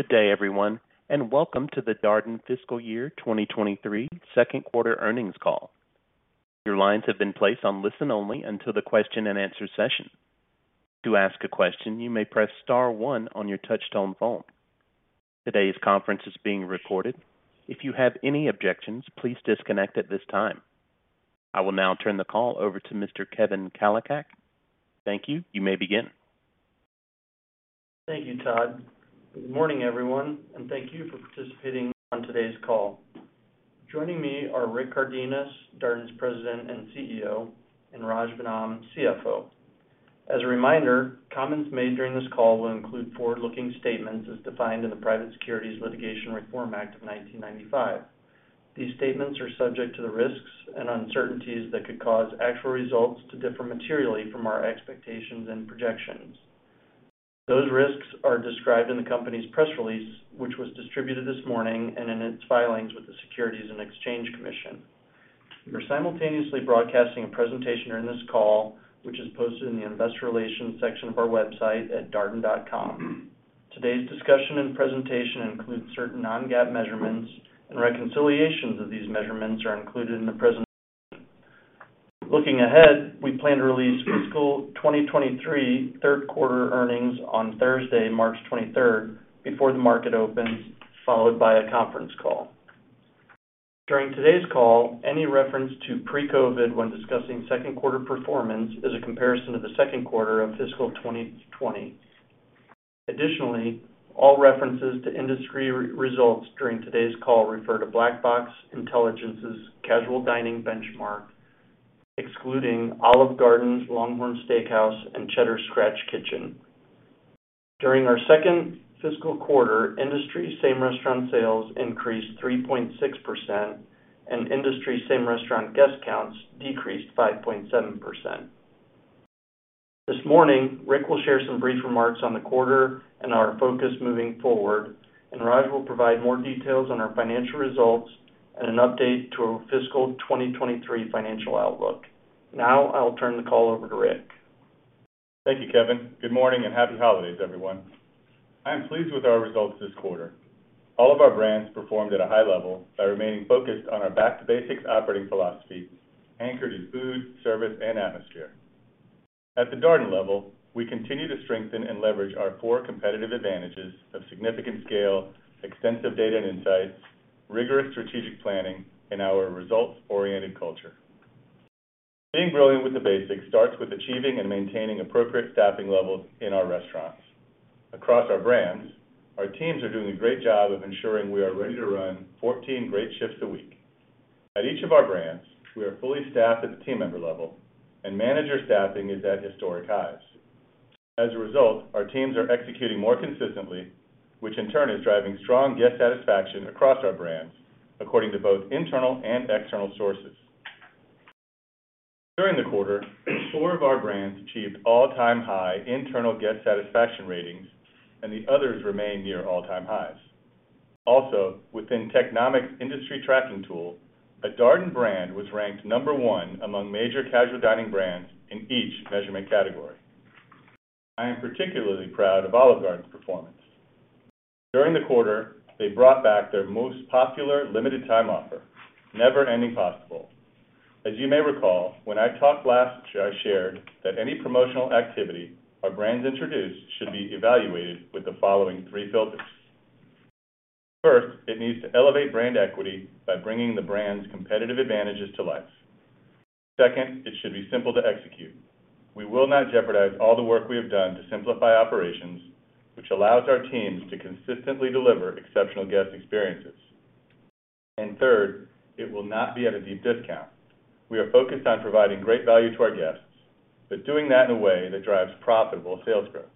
Good day, everyone. Welcome to the Darden Fiscal Year 2023 second quarter earnings call. Your lines have been placed on listen-only until the question-and-answer session. To ask a question, you may press star one on your touchtone phone. Today's conference is being recorded. If you have any objections, please disconnect at this time. I will now turn the call over to Mr. Kevin Kalicak. Thank you. You may begin. Thank you, Todd. Good morning, everyone, and thank you for participating on today's call. Joining me are Rick Cardenas, Darden's President and CEO, and Raj Vennam, CFO. As a reminder, comments made during this call will include forward-looking statements as defined in the Private Securities Litigation Reform Act of 1995. These statements are subject to the risks and uncertainties that could cause actual results to differ materially from our expectations and projections. Those risks are described in the company's press release, which was distributed this morning and in its filings with the Securities and Exchange Commission. We're simultaneously broadcasting a presentation during this call, which is posted in the Investor Relations section of our website at darden.com. Today's discussion and presentation includes certain non-GAAP measurements and reconciliations of these measurements are included in the presentation. Looking ahead, we plan to release fiscal 2023 third quarter earnings on Thursday, March 23rd, before the market opens, followed by a conference call. During today's call, any reference to pre-COVID when discussing second quarter performance is a comparison to the second quarter of fiscal 2020. All references to industry results during today's call refer to Black Box Intelligence's Casual Dining Benchmark, excluding Olive Garden, LongHorn Steakhouse, and Cheddar's Scratch Kitchen. During our second fiscal quarter, industry same restaurant sales increased 3.6% and industry same restaurant guest counts decreased 5.7%. This morning, Rick will share some brief remarks on the quarter and our focus moving forward, and Raj will provide more details on our financial results and an update to our fiscal 2023 financial outlook. I'll turn the call over to Rick. Thank you, Kevin. Good morning and happy holidays, everyone. I am pleased with our results this quarter. All of our brands performed at a high level by remaining focused on our back-to-basics operating philosophy, anchored in food, service, and atmosphere. At the Darden level, we continue to strengthen and leverage our four competitive advantages of significant scale, extensive data and insights, rigorous strategic planning, and our results-oriented culture. Being brilliant with the basics starts with achieving and maintaining appropriate staffing levels in our restaurants. Across our brands, our teams are doing a great job of ensuring we are ready to run 14 great shifts a week. At each of our brands, we are fully staffed at the team member level, and manager staffing is at historic highs. As a result, our teams are executing more consistently, which in turn is driving strong guest satisfaction across our brands according to both internal and external sources. During the quarter, four of our brands achieved all-time high internal guest satisfaction ratings, and the others remain near all-time highs. Within Technomic's industry tracking tool, a Darden brand was ranked number one among major casual dining brands in each measurement category. I am particularly proud of Olive Garden's performance. During the quarter, they brought back their most popular limited time offer, Never Ending Pasta Bowl. As you may recall, when I talked last, I shared that any promotional activity our brands introduced should be evaluated with the following three filters. First, it needs to elevate brand equity by bringing the brand's competitive advantages to life. Second, it should be simple to execute. We will not jeopardize all the work we have done to simplify operations, which allows our teams to consistently deliver exceptional guest experiences. Third, it will not be at a deep discount. We are focused on providing great value to our guests, but doing that in a way that drives profitable sales growth.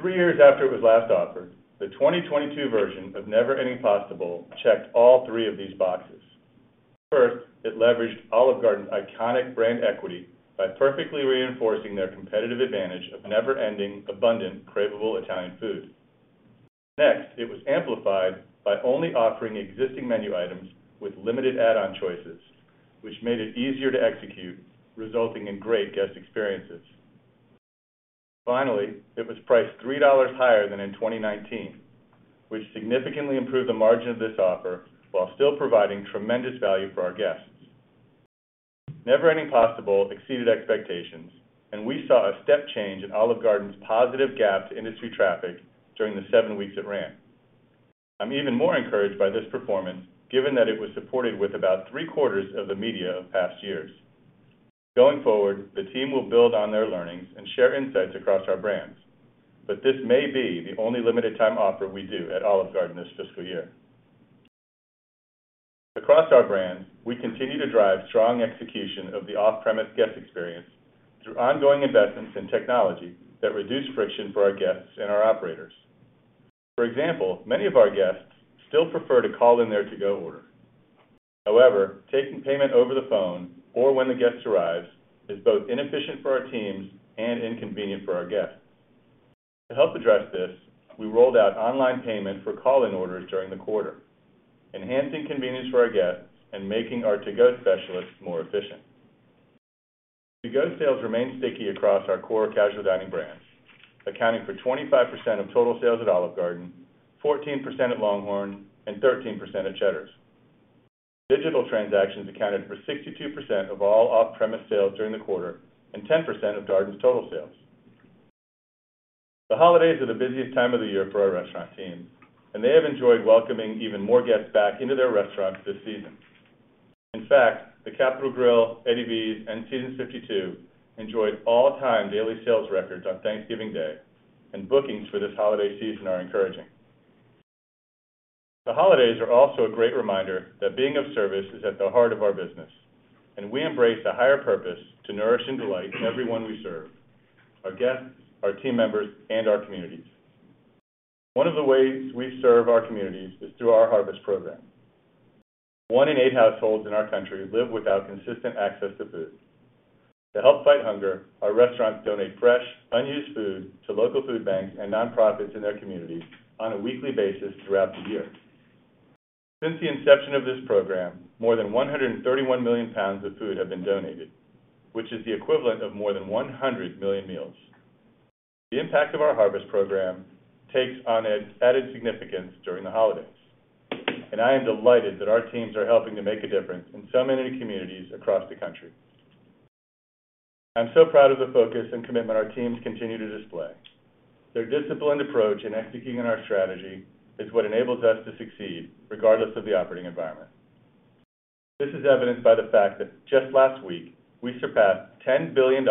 Three years after it was last offered, the 2022 version of Never Ending Pasta Bowl checked all three of these boxes. First, it leveraged Olive Garden's iconic brand equity by perfectly reinforcing their competitive advantage of never ending abundant, cravable Italian food. It was amplified by only offering existing menu items with limited add-on choices, which made it easier to execute, resulting in great guest experiences. It was priced $3 higher than in 2019, which significantly improved the margin of this offer while still providing tremendous value for our guests. Never Ending Pasta Bowl exceeded expectations, and we saw a step change in Olive Garden's positive gap to industry traffic during the seven weeks it ran. I'm even more encouraged by this performance given that it was supported with about three-quarters of the media of past years. Going forward, the team will build on their learnings and share insights across our brands, but this may be the only limited time offer we do at Olive Garden this fiscal year. Across our brands, we continue to drive strong execution of the off-premise guest experience through ongoing investments in technology that reduce friction for our guests and our operators. For example, many of our guests still prefer to call in their to-go order. However, taking payment over the phone or when the guest arrives is both inefficient for our teams and inconvenient for our guests. To help address this, we rolled out online payment for call-in orders during the quarter, enhancing convenience for our guests and making our to-go specialists more efficient. To-go sales remain sticky across our core casual dining brands, accounting for 25% of total sales at Olive Garden, 14% at LongHorn, and 13% at Cheddar's. Digital transactions accounted for 62% of all off-premise sales during the quarter and 10% of Darden's total sales. The holidays are the busiest time of the year for our restaurant teams, and they have enjoyed welcoming even more guests back into their restaurants this season. In fact, The Capital Grille, Eddie V's, and Seasons 52 enjoyed all-time daily sales records on Thanksgiving Day, and bookings for this holiday season are encouraging. The holidays are also a great reminder that being of service is at the heart of our business, and we embrace a higher purpose to nourish and delight everyone we serve, our guests, our team members, and our communities. One of the ways we serve our communities is through our Harvest Program. One in eight households in our country live without consistent access to food. To help fight hunger, our restaurants donate fresh, unused food to local food banks and nonprofits in their communities on a weekly basis throughout the year. Since the inception of this program, more than 131 million pounds of food have been donated, which is the equivalent of more than 100 million meals. The impact of our Harvest Program takes on added significance during the holidays. I am delighted that our teams are helping to make a difference in so many communities across the country. I'm so proud of the focus and commitment our teams continue to display. Their disciplined approach in executing our strategy is what enables us to succeed regardless of the operating environment. This is evidenced by the fact that just last week, we surpassed $10 billion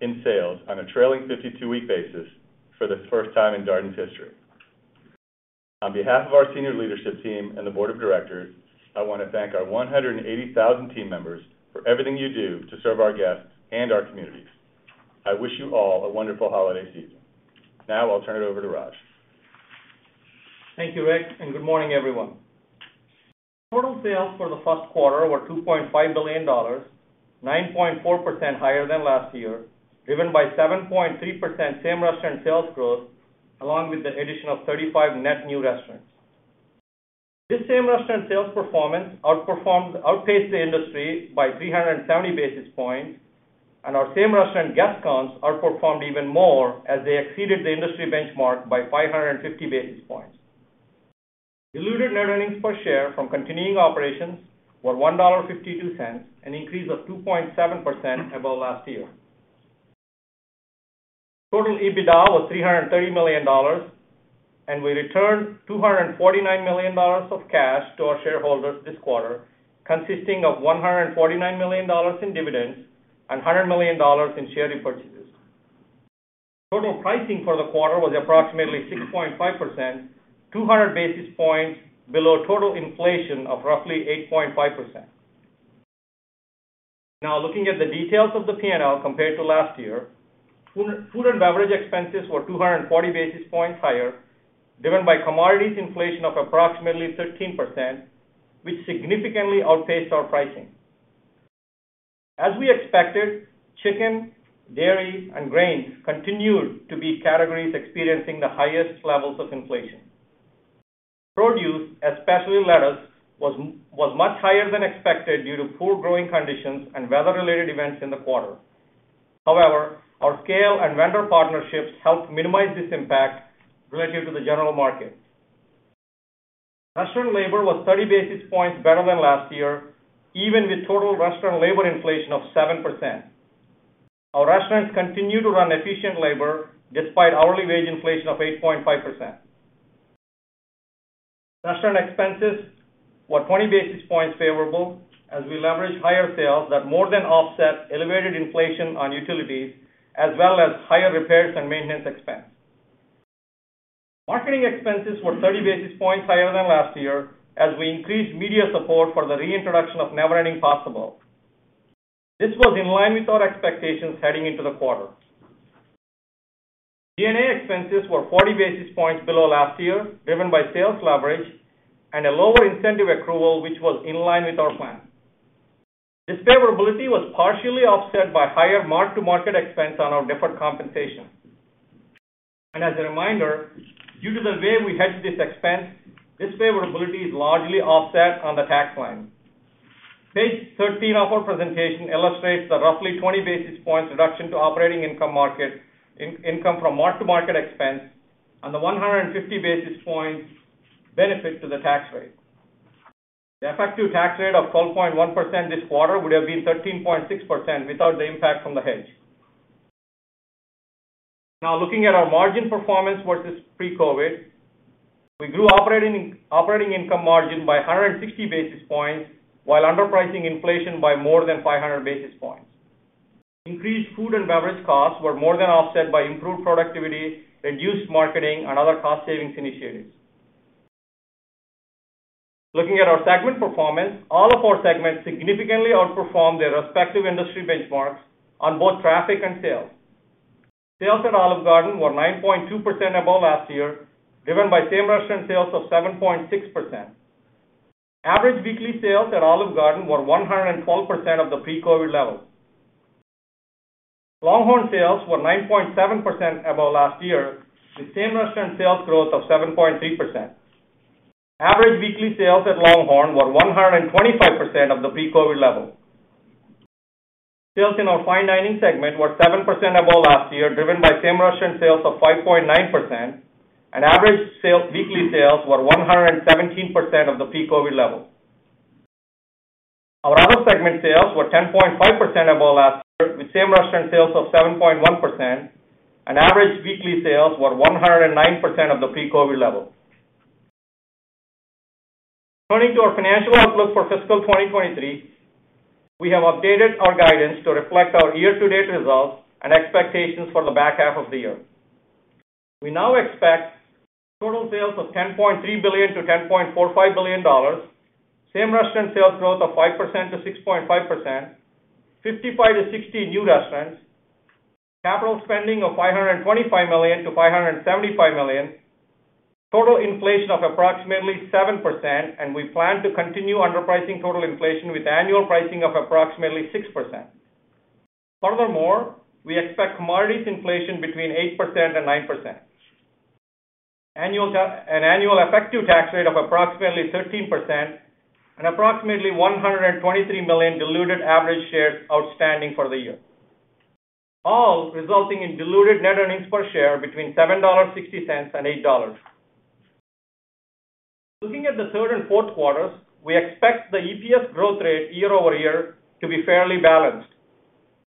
in sales on a trailing 52-week basis for the first time in Darden's history. On behalf of our senior leadership team and the board of directors, I wanna thank our 180,000 team members for everything you do to serve our guests and our communities. I wish you all a wonderful holiday season. I'll turn it over to Raj. Thank you, Rick, good morning, everyone. Total sales for the first quarter were $2.5 billion, 9.4% higher than last year, driven by 7.3% same-restaurant sales growth, along with the addition of 35 net new restaurants. This same-restaurant sales performance outpaced the industry by 370 basis points, and our same-restaurant guest counts outperformed even more as they exceeded the industry benchmark by 550 basis points. Diluted net earnings per share from continuing operations were $1.52, an increase of 2.7% above last year. Total EBITDA was $330 million, and we returned $249 million of cash to our shareholders this quarter, consisting of $149 million in dividends and $100 million in share repurchases. Total pricing for the quarter was approximately 6.5%, 200 basis points below total inflation of roughly 8.5%. Looking at the details of the P&L compared to last year, food and beverage expenses were 240 basis points higher, driven by commodities inflation of approximately 13%, which significantly outpaced our pricing. As we expected, chicken, dairy, and grains continued to be categories experiencing the highest levels of inflation. Produce, especially lettuce, was much higher than expected due to poor growing conditions and weather-related events in the quarter. Our scale and vendor partnerships helped minimize this impact relative to the general market. Restaurant labor was 30 basis points better than last year, even with total restaurant labor inflation of 7%. Our restaurants continue to run efficient labor despite hourly wage inflation of 8.5%. Restaurant expenses were 20 basis points favorable as we leveraged higher sales that more than offset elevated inflation on utilities as well as higher repairs and maintenance expense. Marketing expenses were 30 basis points higher than last year as we increased media support for the reintroduction of Never Ending Pasta Bowl. This was in line with our expectations heading into the quarter. D&A expenses were 40 basis points below last year, driven by sales leverage and a lower incentive accrual, which was in line with our plan. This favorability was partially offset by higher mark-to-market expense on our deferred compensation. As a reminder, due to the way we hedge this expense, this favorability is largely offset on the tax line. Page 13 of our presentation illustrates the roughly 20 basis points reduction to operating income market in income from mark-to-market expense and the 150 basis points benefit to the tax rate. The effective tax rate of 12.1% this quarter would have been 13.6% without the impact from the hedge. Looking at our margin performance versus pre-COVID, we grew operating income margin by 160 basis points while underpricing inflation by more than 500 basis points. Increased food and beverage costs were more than offset by improved productivity, reduced marketing, and other cost savings initiatives. Looking at our segment performance, all of our segments significantly outperformed their respective industry benchmarks on both traffic and sales. Sales at Olive Garden were 9.2% above last year, driven by same-restaurant sales of 7.6%. Average weekly sales at Olive Garden were 112% of the pre-COVID levels. LongHorn sales were 9.7% above last year, with same-restaurant sales growth of 7.3%. Average weekly sales at LongHorn were 125% of the peak COVID level. Sales in our fine dining segment were 7% above last year, driven by same-restaurant sales of 5.9%, and weekly sales were 117% of the peak COVID level. Our other segment sales were 10.5% above last year, with same-restaurant sales of 7.1%, and average weekly sales were 109% of the peak COVID level. Turning to our financial outlook for fiscal 2023, we have updated our guidance to reflect our year-to-date results and expectations for the back half of the year. We now expect total sales of $10.3 billion-$10.45 billion, same-restaurant sales growth of 5%-6.5%, 55-60 new restaurants, capital spending of $525 million-$575 million, total inflation of approximately 7%, and we plan to continue underpricing total inflation with annual pricing of approximately 6%. Furthermore, we expect commodities inflation between 8% and 9%. an annual effective tax rate of approximately 13% and approximately 123 million diluted average shares outstanding for the year, all resulting in diluted net earnings per share between $7.60 and $8. Looking at the third and fourth quarters, we expect the EPS growth rate year-over-year to be fairly balanced.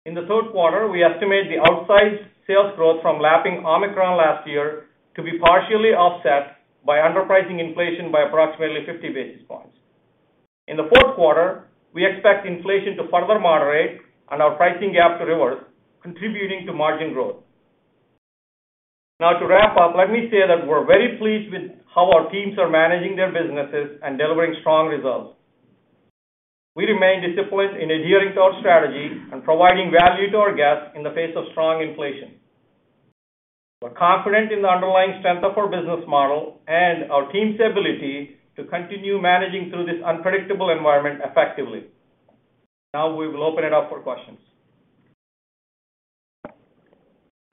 In the third quarter, we estimate the outsized sales growth from lapping Omicron last year to be partially offset by underpricing inflation by approximately 50 basis points. In the fourth quarter, we expect inflation to further moderate and our pricing gap to reverse, contributing to margin growth. To wrap up, let me say that we're very pleased with how our teams are managing their businesses and delivering strong results. We remain disciplined in adhering to our strategy and providing value to our guests in the face of strong inflation. We're confident in the underlying strength of our business model and our team's ability to continue managing through this unpredictable environment effectively. We will open it up for questions.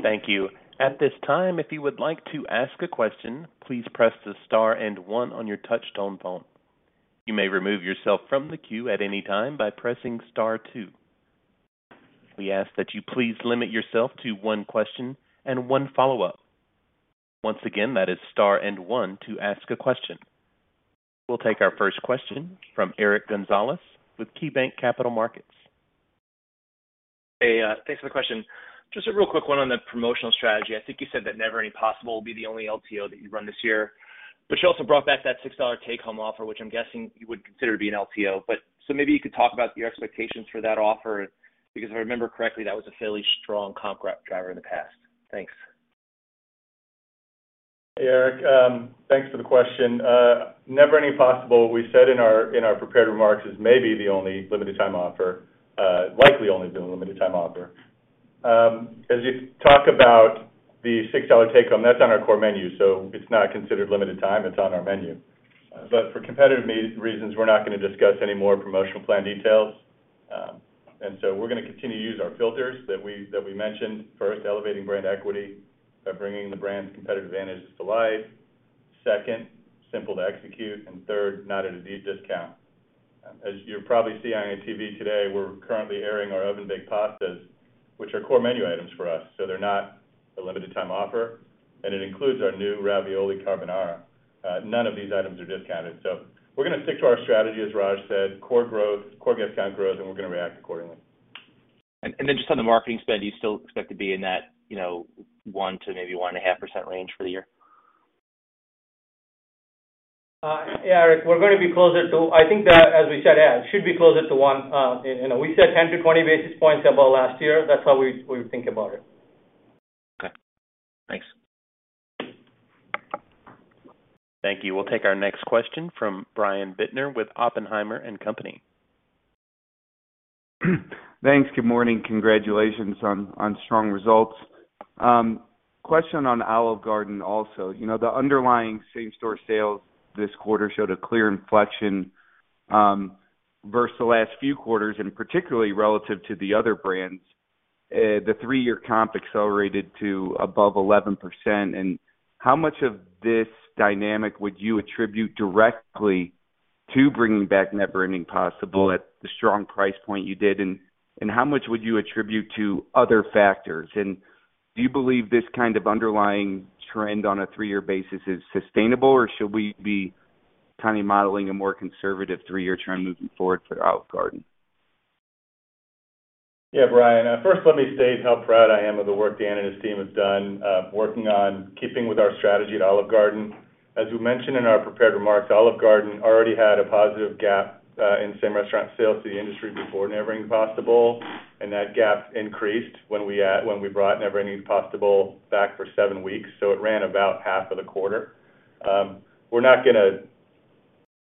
Thank you. At this time, if you would like to ask a question, please press the star and one on your touchtone phone. You may remove yourself from the queue at any time by pressing star two. We ask that you please limit yourself to one question and one follow-up. Once again, that is star and one to ask a question. We'll take our first question from Eric Gonzalez with KeyBanc Capital Markets. Hey, thanks for the question. Just a real quick one on the promotional strategy. I think you said that Never Ending Pasta Bowl will be the only LTO that you run this year. You also brought back that $6 take home offer, which I'm guessing you would consider to be an LTO. Maybe you could talk about your expectations for that offer, because if I remember correctly, that was a fairly strong comp rep driver in the past. Thanks. Hey, Eric, thanks for the question. Never Ending Pasta Bowl, we said in our prepared remarks, is maybe the only limited time offer, likely only be a limited time offer. As you talk about the $6 take home, that's on our core menu, so it's not considered limited time, it's on our menu. For competitive reasons, we're not gonna discuss any more promotional plan details. We're gonna continue to use our filters that we mentioned. First, elevating brand equity by bringing the brand's competitive advantages to life. Second, simple to execute. Third, not at a discount. As you're probably seeing on your TV today, we're currently airing our oven-baked pastas, which are core menu items for us, so they're not a limited time offer, and it includes our new Ravioli Carbonara. None of these items are discounted. We're gonna stick to our strategy, as Raj said, core growth, core guest count growth, and we're gonna react accordingly. Then just on the marketing spend, do you still expect to be in that, you know, 1%-1.5% range for the year? Yeah, Eric, I think that, as we said, should be closer to 1. You know, we said 10-20 basis points above last year. That's how we think about it. Okay. Thanks. Thank you. We'll take our next question from Brian Bittner with Oppenheimer & Co. Thanks. Good morning. Congratulations on strong results. Question on Olive Garden also. You know, the underlying same-store sales this quarter showed a clear inflection versus the last few quarters, particularly relative to the other brands. The three-year comp accelerated to above 11%. How much of this dynamic would you attribute directly to bringing back Never Ending Pasta Bowl at the strong price point you did? How much would you attribute to other factors? Do you believe this kind of underlying trend on a three-year basis is sustainable, or should we be kind of modeling a more conservative three-year trend moving forward for Olive Garden? Brian, first let me state how proud I am of the work Dan and his team have done, working on keeping with our strategy at Olive Garden. As we mentioned in our prepared remarks, Olive Garden already had a positive gap in same restaurant sales to the industry before Never Ending Pasta Bowl, and that gap increased when we brought Never Ending Pasta Bowl back for seven weeks. It ran about half of the quarter. We're not gonna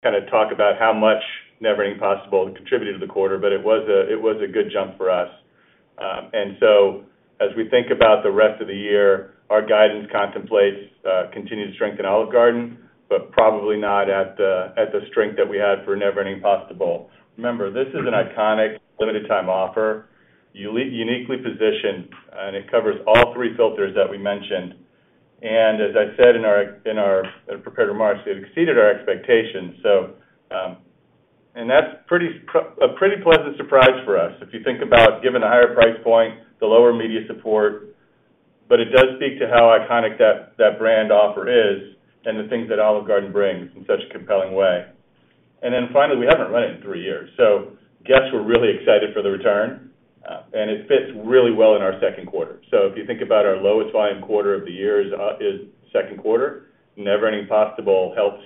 kinda talk about how much Never Ending Pasta Bowl contributed to the quarter, but it was a good jump for us. As we think about the rest of the year, our guidance contemplates continued strength in Olive Garden, but probably not at the strength that we had for Never Ending Pasta Bowl. Remember, this is an iconic limited time offer. Uniquely positioned, it covers all three filters that we mentioned. As I said in our prepared remarks, it exceeded our expectations. That's a pretty pleasant surprise for us if you think about given the higher price point, the lower media support, but it does speak to how iconic that brand offer is and the things that Olive Garden brings in such a compelling way. Finally, we haven't run it in three years, guests were really excited for the return, it fits really well in our second quarter. If you think about our lowest volume quarter of the year is second quarter. Never Ending Pasta Bowl helps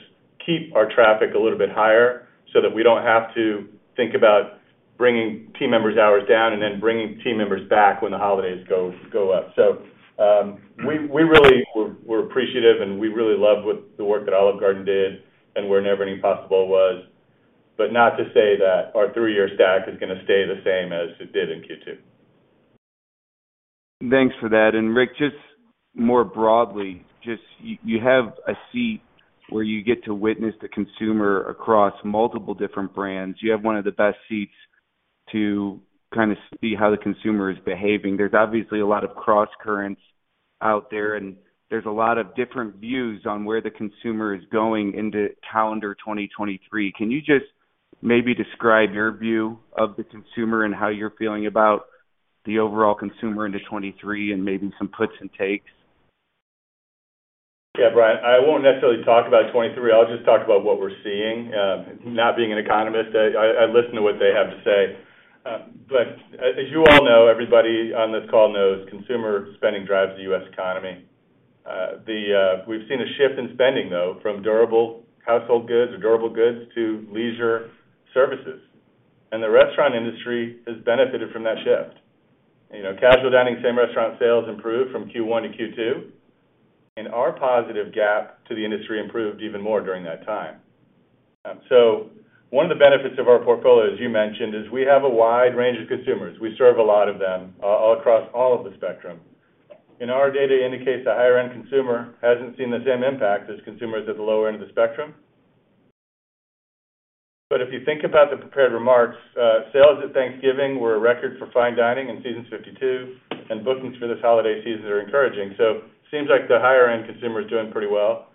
keep our traffic a little bit higher so that we don't have to think about bringing team members hours down and then bringing team members back when the holidays go up. We're really appreciative and we really love what the work that Olive Garden did and where Never Ending Pasta Bowl was. Not to say that our three-year stack is gonna stay the same as it did in Q2. Thanks for that. Rick, just more broadly, just you have a seat where you get to witness the consumer across multiple different brands. You have one of the best seats to kind of see how the consumer is behaving. There's obviously a lot of crosscurrents out there, and there's a lot of different views on where the consumer is going into calendar 2023. Can you just maybe describe your view of the consumer and how you're feeling about the overall consumer into 2023 and maybe some puts and takes? Yeah, Brian, I won't necessarily talk about 2023. I'll just talk about what we're seeing. Not being an economist, I listen to what they have to say. As you all know, everybody on this call knows consumer spending drives the U.S. economy. We've seen a shift in spending, though, from durable household goods or durable goods to leisure services. The restaurant industry has benefited from that shift. You know, casual dining, same restaurant sales improved from Q1 to Q2, and our positive gap to the industry improved even more during that time. One of the benefits of our portfolio, as you mentioned, is we have a wide range of consumers. We serve a lot of them, across all of the spectrum. Our data indicates the higher end consumer hasn't seen the same impact as consumers at the lower end of the spectrum. If you think about the prepared remarks, sales at Thanksgiving were a record for fine dining in Seasons 52, and bookings for this holiday season are encouraging. Seems like the higher end consumer is doing pretty well.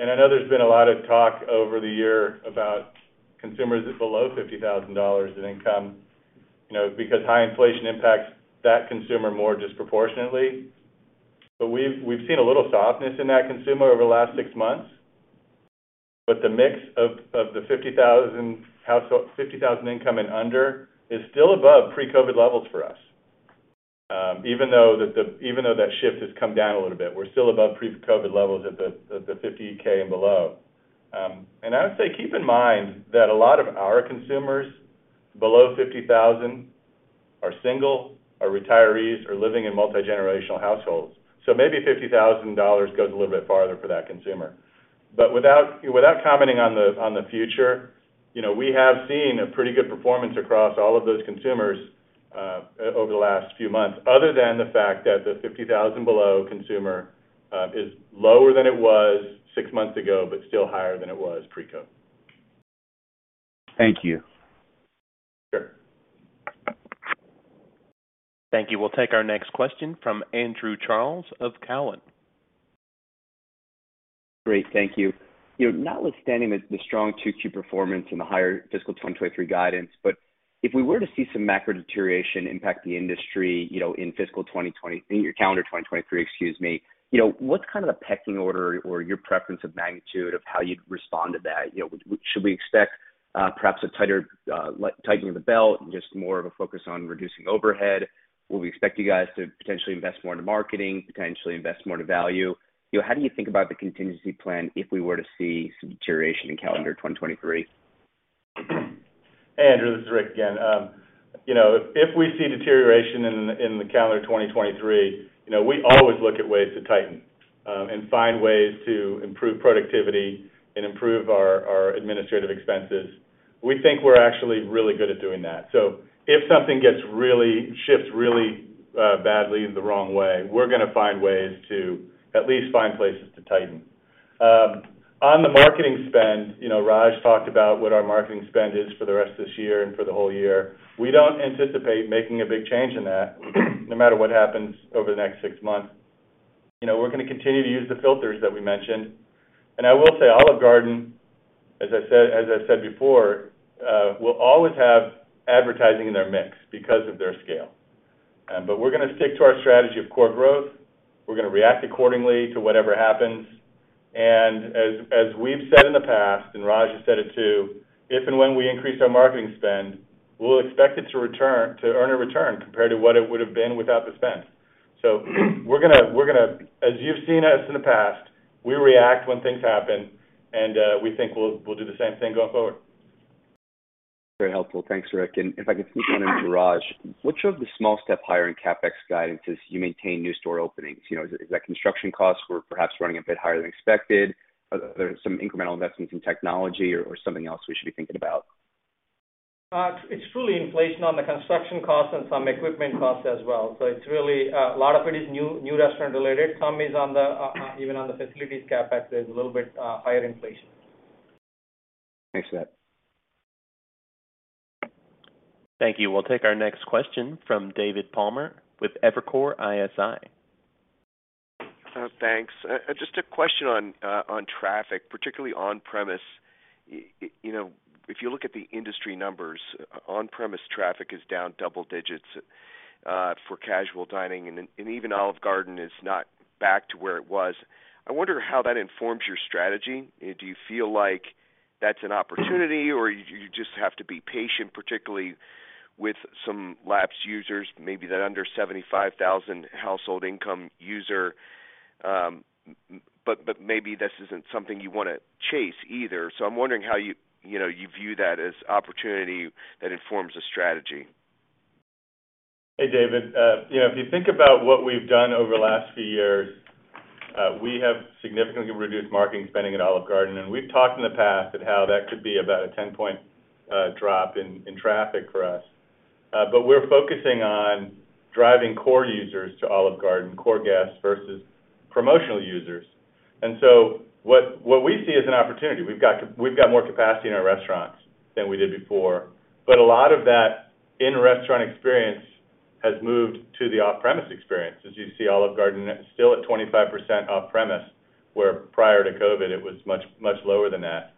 I know there's been a lot of talk over the year about consumers below $50,000 in income, you know, because high inflation impacts that consumer more disproportionately. We've seen a little softness in that consumer over the last six months. The mix of the $50,000 income and under is still above pre-COVID levels for us. Even though that shift has come down a little bit, we're still above pre-COVID levels at the 50K and below. I would say keep in mind that a lot of our consumers below 50,000 are single, are retirees, or living in multigenerational households. Maybe $50,000 goes a little bit farther for that consumer. Without commenting on the future, you know, we have seen a pretty good performance across all of those consumers, over the last few months, other than the fact that the 50,000 below consumer, is lower than it was six months ago, but still higher than it was pre-COVID. Thank you. Sure. Thank you. We'll take our next question from Andrew Charles of Cowen. Great, thank you. You know, notwithstanding the strong 2Q performance and the higher fiscal 2023 guidance, if we were to see some macro deterioration impact the industry, you know, in your calendar 2023, excuse me, you know, what's kind of the pecking order or your preference of magnitude of how you'd respond to that? You know, should we expect perhaps a tighter tightening of the belt and just more of a focus on reducing overhead? Will we expect you guys to potentially invest more into marketing, potentially invest more to value? You know, how do you think about the contingency plan if we were to see some deterioration in calendar 2023? Hey, Andrew, this is Rick again. You know, if we see deterioration in the calendar 2023, you know, we always look at ways to tighten and find ways to improve productivity and improve our administrative expenses. We think we're actually really good at doing that. If something shifts really badly in the wrong way, we're gonna find ways to at least find places to tighten. On the marketing spend, you know, Raj talked about what our marketing spend is for the rest of this year and for the whole year. We don't anticipate making a big change in that no matter what happens over the next six months. You know, we're gonna continue to use the filters that we mentioned. I will say Olive Garden, as I said before, will always have advertising in their mix because of their scale. We're gonna stick to our strategy of core growth. We're gonna react accordingly to whatever happens. As we've said in the past, and Raj has said it too, if and when we increase our marketing spend, we'll expect it to earn a return compared to what it would have been without the spend. We're gonna, as you've seen us in the past, we react when things happen, and we think we'll do the same thing going forward. Very helpful. Thanks, Rick. If I could sneak one in to Raj. What shows the small step higher in CapEx guidance as you maintain new store openings? You know, is that construction costs were perhaps running a bit higher than expected? Are there some incremental investments in technology or something else we should be thinking about? It's truly inflation on the construction costs and some equipment costs as well. It's really a lot of it is new restaurant related. Some is on the even on the facilities CapEx, there's a little bit higher inflation. Thanks for that. Thank you. We'll take our next question from David Palmer with Evercore ISI. Thanks. Just a question on traffic, particularly on-premise. You know, if you look at the industry numbers, on-premise traffic is down double digits for casual dining, and even Olive Garden is not back to where it was. I wonder how that informs your strategy. Do you feel like that's an opportunity or you just have to be patient, particularly with some lapsed users, maybe that under $75,000 household income user? Maybe this isn't something you wanna chase either. I'm wondering how you know, you view that as opportunity that informs the strategy. Hey, David. you know, if you think about what we've done over the last few years, we have significantly reduced marketing spending at Olive Garden, and we've talked in the past at how that could be about a 10 point drop in traffic for us. We're focusing on driving core users to Olive Garden, core guests versus promotional users. What we see as an opportunity, we've got more capacity in our restaurants than we did before, but a lot of that in-restaurant experience has moved to the off-premise experience. As you see, Olive Garden is still at 25% off-premise, where prior to COVID, it was much, much lower than that.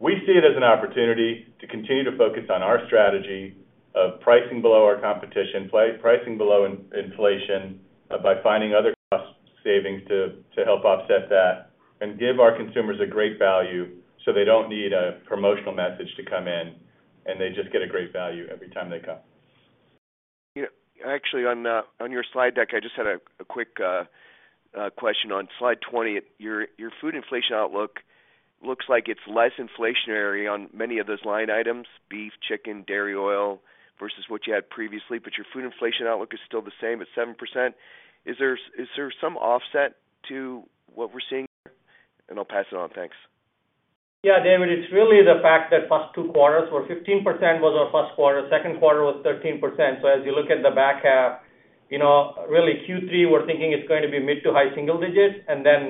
We see it as an opportunity to continue to focus on our strategy of pricing below our competition, pricing below in-inflation by finding other cost savings to help offset that and give our consumers a great value so they don't need a promotional message to come in, and they just get a great value every time they come. Yeah. Actually, on your slide deck, I just had a quick question on slide 20. Your food inflation outlook looks like it's less inflationary on many of those line items, beef, chicken, dairy oil versus what you had previously, but your food inflation outlook is still the same at 7%. Is there some offset to what we're seeing here? I'll pass it on. Thanks. Yeah, David, it's really the fact that first two quarters where 15% was our first quarter, second quarter was 13%. As you look at the back half, you know, really Q3, we're thinking it's going to be mid to high single digits, and then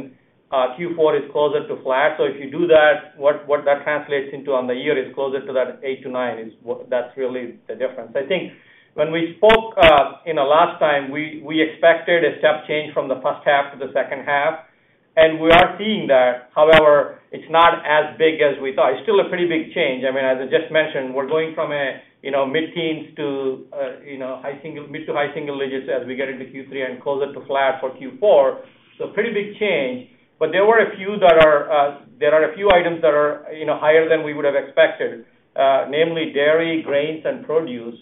Q4 is closer to flat. If you do that, what that translates into on the year is closer to that 8%-9%, that's really the difference. I think when we spoke, you know, last time, we expected a step change from the first half to the second half, and we are seeing that. However, it's not as big as we thought. It's still a pretty big change. I mean, as I just mentioned, we're going from a, you know, mid-teens to, you know, mid to high single digits as we get into Q3 and closer to flat for Q4. Pretty big change. There are a few items that are, you know, higher than we would have expected, namely dairy, grains, and produce.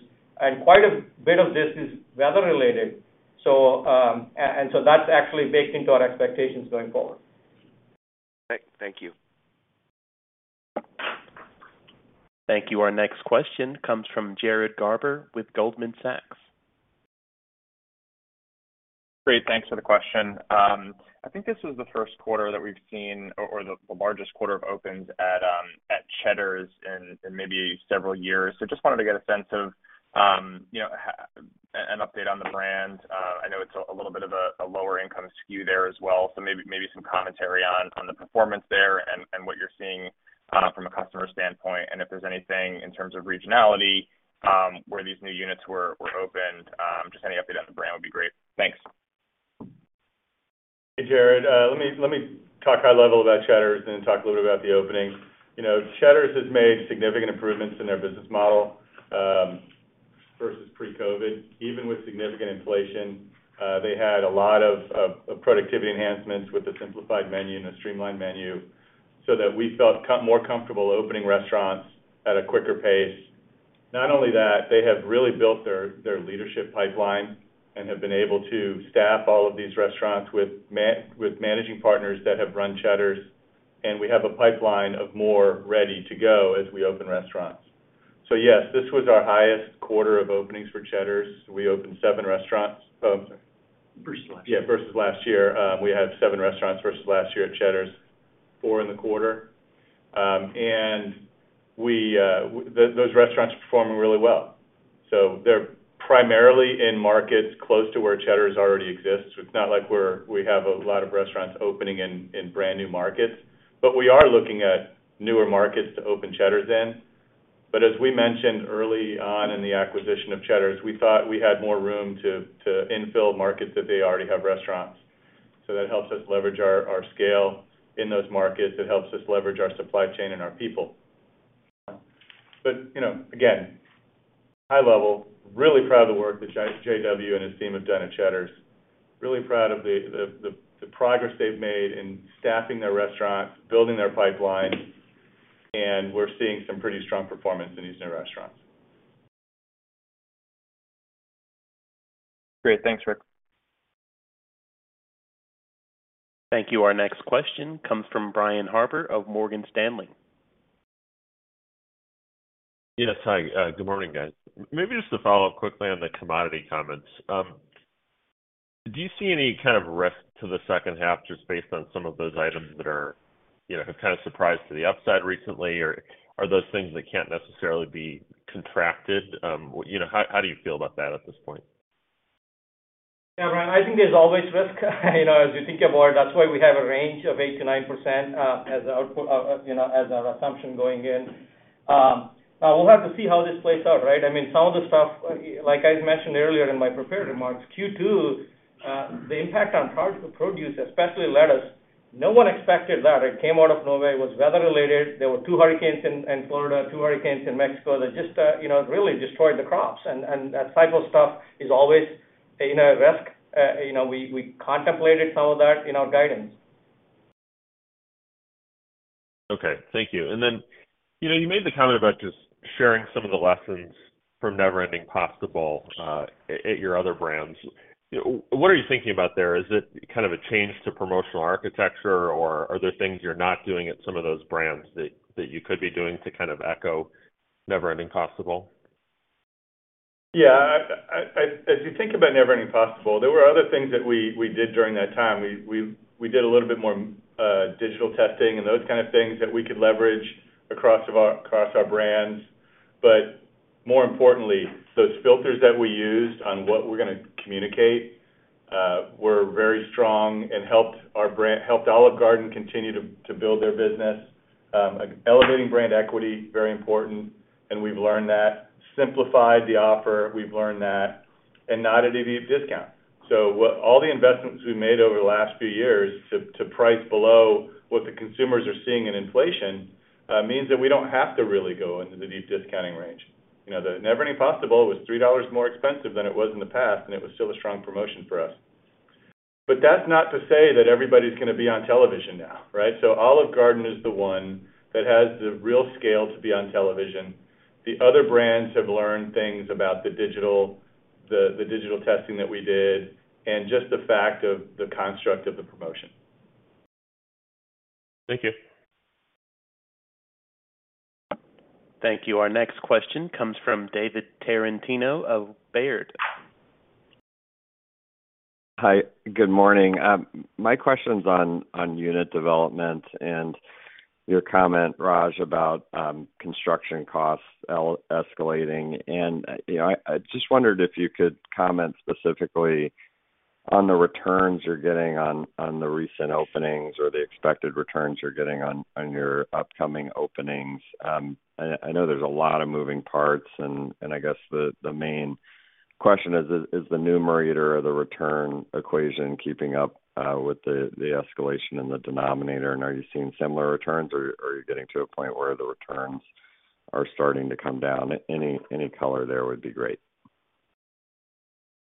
Quite a bit of this is weather related. So that's actually baked into our expectations going forward. Okay, thank you. Thank you. Our next question comes from Jared Garber with Goldman Sachs. Great. Thanks for the question. I think this is the first quarter that we've seen or the largest quarter of opens at Cheddar's in maybe several years. Just wanted to get a sense of, you know, an update on the brand. I know it's a little bit of a lower income skew there as well. Maybe some commentary on the performance there and what you're seeing from a customer standpoint, and if there's anything in terms of regionality, where these new units were opened, just any update on the brand would be great. Thanks. Hey, Jared. let me talk high level about Cheddar's and talk a little bit about the opening. You know, Cheddar's has made significant improvements in their business model, versus pre-COVID. Even with significant inflation, they had a lot of productivity enhancements with the simplified menu and the streamlined menu so that we felt more comfortable opening restaurants at a quicker pace. Not only that, they have really built their leadership pipeline and have been able to staff all of these restaurants with managing partners that have run Cheddar's, and we have a pipeline of more ready to go as we open restaurants. Yes, this was our highest quarter of openings for Cheddar's. We opened seven restaurants. I'm sorry. Versus last year. Yeah, versus last year. We had seven restaurants versus last year at Cheddar's, four in the quarter. Those restaurants are performing really well. They're primarily in markets close to where Cheddar's already exists. It's not like we have a lot of restaurants opening in brand new markets. We are looking at newer markets to open Cheddar's in. As we mentioned early on in the acquisition of Cheddar's, we thought we had more room to infill markets that they already have restaurants. That helps us leverage our scale in those markets. It helps us leverage our supply chain and our people. You know, again, high level, really proud of the work that JW and his team have done at Cheddar's. Really proud of the progress they've made in staffing their restaurants, building their pipeline, and we're seeing some pretty strong performance in these new restaurants. Great. Thanks, Rick. Thank you. Our next question comes from Brian Harbour of Morgan Stanley. Yes. Hi. Good morning, guys. Maybe just to follow up quickly on the commodity comments. Do you see any kind of risk to the second half just based on some of those items that are, you know, have kind of surprised to the upside recently, or are those things that can't necessarily be contracted? You know, how do you feel about that at this point? Yeah, Brian, I think there's always risk, you know, as you think about it. That's why we have a range of 8%-9%, you know, as our assumption going in. We'll have to see how this plays out, right? I mean, some of the stuff, like I mentioned earlier in my prepared remarks, Q2, the impact on pro-produce, especially lettuce, no one expected that. It came out of nowhere. It was weather-related. There were two hurricanes in Florida, two hurricanes in Mexico that just, you know, really destroyed the crops. That type of stuff is always, you know, risk. You know, we contemplated some of that in our guidance. Okay. Thank you. You know, you made the comment about just sharing some of the lessons from Never Ending Pasta Bowl at your other brands. You know, what are you thinking about there? Is it kind of a change to promotional architecture or are there things you're not doing at some of those brands that you could be doing to kind of echo Never Ending Pasta Bowl? Yeah. As you think about Never Ending Pasta Bowl, there were other things that we did during that time. We did a little bit more digital testing and those kind of things that we could leverage across our brands. More importantly, those filters that we used on what we're gonna communicate were very strong and helped Olive Garden continue to build their business. Elevating brand equity, very important, and we've learned that. Simplified the offer, we've learned that. Not a deep discount. What all the investments we made over the last few years to price below what the consumers are seeing in inflation means that we don't have to really go into the deep discounting range. You know, the Never Ending Pasta Bowl was $3 more expensive than it was in the past, and it was still a strong promotion for us. That's not to say that everybody's gonna be on television now, right? Olive Garden is the one that has the real scale to be on television. The other brands have learned things about the digital testing that we did and just the fact of the construct of the promotion. Thank you. Thank you. Our next question comes from David Tarantino of Baird. Hi. Good morning. My question's on unit development and your comment, Raj, about construction costs escalating. You know, I just wondered if you could comment specifically on the returns you're getting on the recent openings or the expected returns you're getting on your upcoming openings. I know there's a lot of moving parts, and I guess the main question is the numerator of the return equation keeping up with the escalation in the denominator? Are you seeing similar returns or are you getting to a point where the returns are starting to come down? Any color there would be great.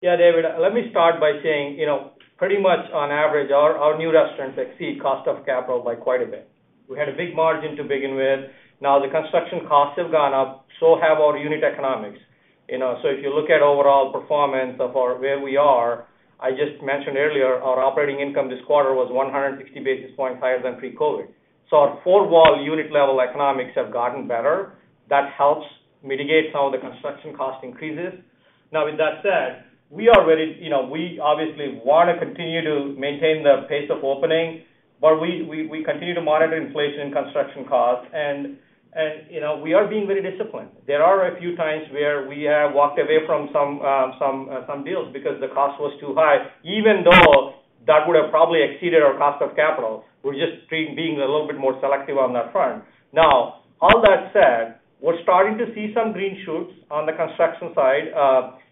Yeah, David, let me start by saying, you know, pretty much on average, our new restaurants exceed cost of capital by quite a bit. We had a big margin to begin with. The construction costs have gone up, so have our unit economics. You know, if you look at overall performance of our where we are, I just mentioned earlier, our operating income this quarter was 160 basis points higher than pre-COVID. Our four-wall unit level economics have gotten better. That helps mitigate some of the construction cost increases. With that said, you know, we obviously wanna continue to maintain the pace of opening, but we continue to monitor inflation and construction costs. You know, we are being very disciplined. There are a few times where we have walked away from some deals because the cost was too high, even though that would have probably exceeded our cost of capital. We're just being a little bit more selective on that front. All that said, we're starting to see some green shoots on the construction side.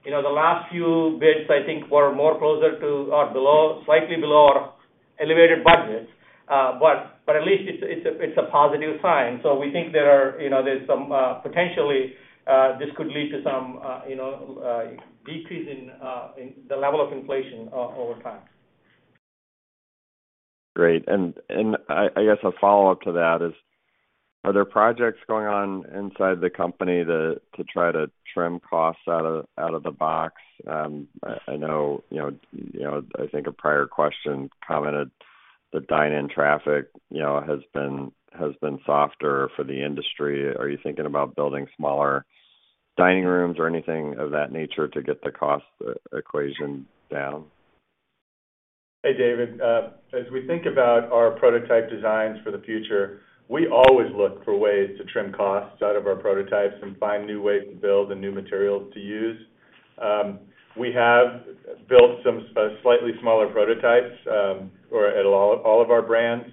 You know, the last few bids I think were more closer to or below, slightly below our elevated budgets. At least it's a positive sign. We think there are, you know, there's some potentially this could lead to some, you know, decrease in the level of inflation over time. Great. I guess a follow-up to that is, are there projects going on inside the company to try to trim costs out of the box? I know, you know, I think a prior question commented the dine-in traffic, you know, has been softer for the industry. Are you thinking about building smaller dining rooms or anything of that nature to get the cost equation down? Hey, David. As we think about our prototype designs for the future, we always look for ways to trim costs out of our prototypes and find new ways to build and new materials to use. We have built some slightly smaller prototypes, all of our brands,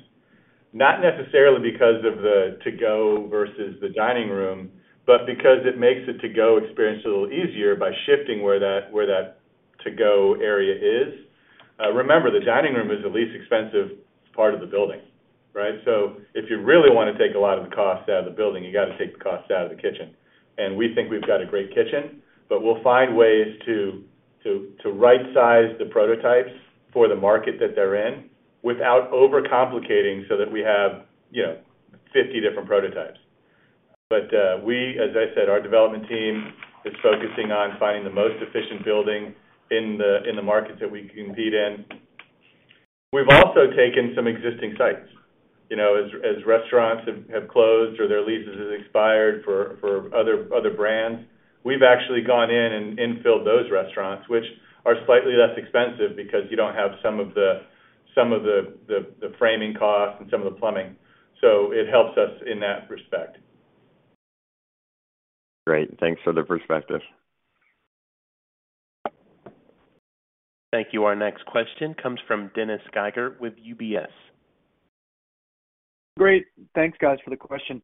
not necessarily because of the to-go versus the dining room, but because it makes the to-go experience a little easier by shifting where that to-go area is. Remember, the dining room is the least expensive part of the building, right? If you really wanna take a lot of the cost out of the building, you gotta take the cost out of the kitchen. We think we've got a great kitchen, but we'll find ways to right-size the prototypes for the market that they're in without overcomplicating so that we have, you know, 50 different prototypes. We, as I said, our development team is focusing on finding the most efficient building in the markets that we compete in. We've also taken some existing sites. You know, as restaurants have closed or their leases have expired for other brands, we've actually gone in and infilled those restaurants, which are slightly less expensive because you don't have some of the framing costs and some of the plumbing. It helps us in that respect. Great. Thanks for the perspective. Thank you. Our next question comes from Dennis Geiger with UBS. Great. Thanks guys for the question.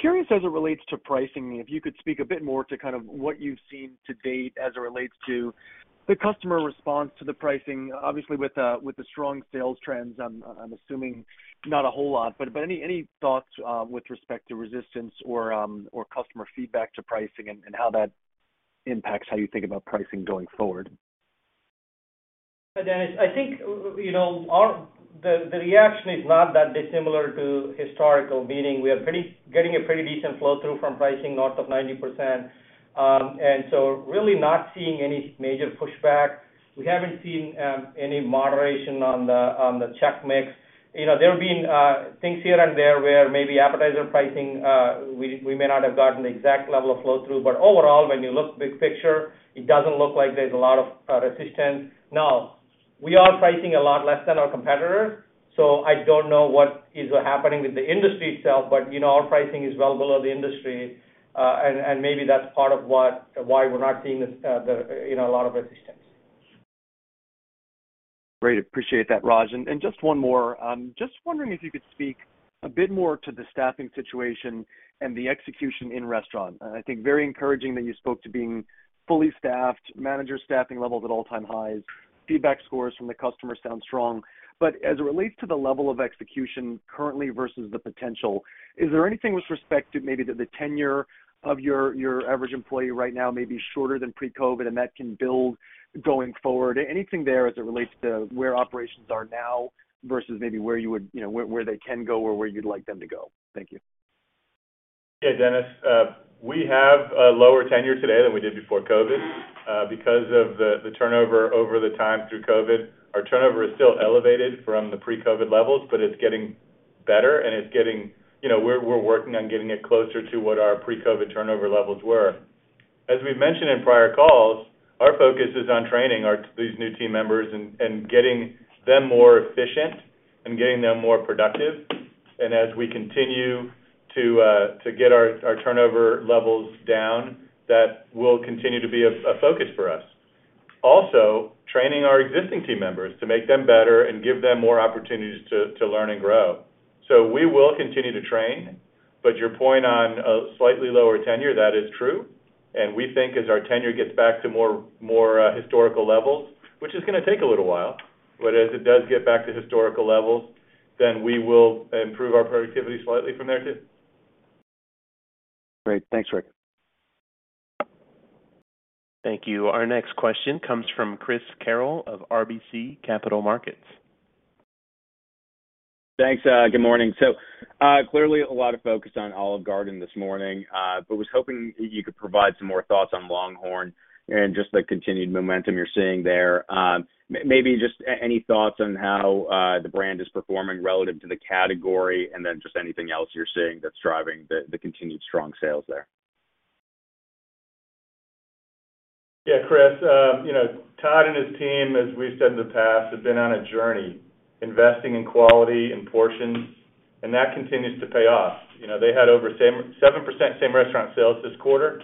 Curious as it relates to pricing, if you could speak a bit more to kind of what you've seen to date as it relates to the customer response to the pricing. Obviously, with the strong sales trends, I'm assuming not a whole lot, but any thoughts with respect to resistance or customer feedback to pricing and how that impacts how you think about pricing going forward? Dennis, I think, you know, our the reaction is not that dissimilar to historical, meaning we are getting a pretty decent flow through from pricing north of 90%. Really not seeing any major pushback. We haven't seen any moderation on the check mix. You know, there have been things here and there where maybe appetizer pricing, we may not have gotten the exact level of flow through, but overall, when you look big picture, it doesn't look like there's a lot of resistance. Now, we are pricing a lot less than our competitor. I don't know what is happening with the industry itself. You know, our pricing is well below the industry, and maybe that's part of why we're not seeing this, you know, a lot of resistance. Great. Appreciate that, Raj. Just one more. Just wondering if you could speak a bit more to the staffing situation and the execution in restaurant. I think very encouraging that you spoke to being fully staffed, manager staffing levels at all-time highs, feedback scores from the customers sound strong. As it relates to the level of execution currently versus the potential, is there anything with respect to maybe the tenure of your average employee right now, maybe shorter than pre-COVID, and that can build going forward? Anything there as it relates to where operations are now versus maybe where you would, you know, where they can go or where you'd like them to go? Thank you. Dennis. We have a lower tenure today than we did before COVID because of the turnover over the time through COVID. Our turnover is still elevated from the pre-COVID levels, but it's getting better, and it's getting. You know, we're working on getting it closer to what our pre-COVID turnover levels were. As we've mentioned in prior calls, our focus is on training these new team members and getting them more efficient and getting them more productive. As we continue to get our turnover levels down, that will continue to be a focus for us. Also, training our existing team members to make them better and give them more opportunities to learn and grow. We will continue to train, but your point on a slightly lower tenure, that is true. We think as our tenure gets back to more historical levels, which is gonna take a little while, but as it does get back to historical levels, then we will improve our productivity slightly from there too. Great. Thanks, Rick. Thank you. Our next question comes from Chris Carril of RBC Capital Markets. Thanks. Good morning. Clearly a lot of focus on Olive Garden this morning, but was hoping you could provide some more thoughts on LongHorn and just the continued momentum you're seeing there. Maybe just any thoughts on how the brand is performing relative to the category, and then just anything else you're seeing that's driving the continued strong sales there? Chris, you know, Todd and his team, as we've said in the past, have been on a journey, investing in quality and portions, and that continues to pay off. You know, they had over 7% same restaurant sales this quarter,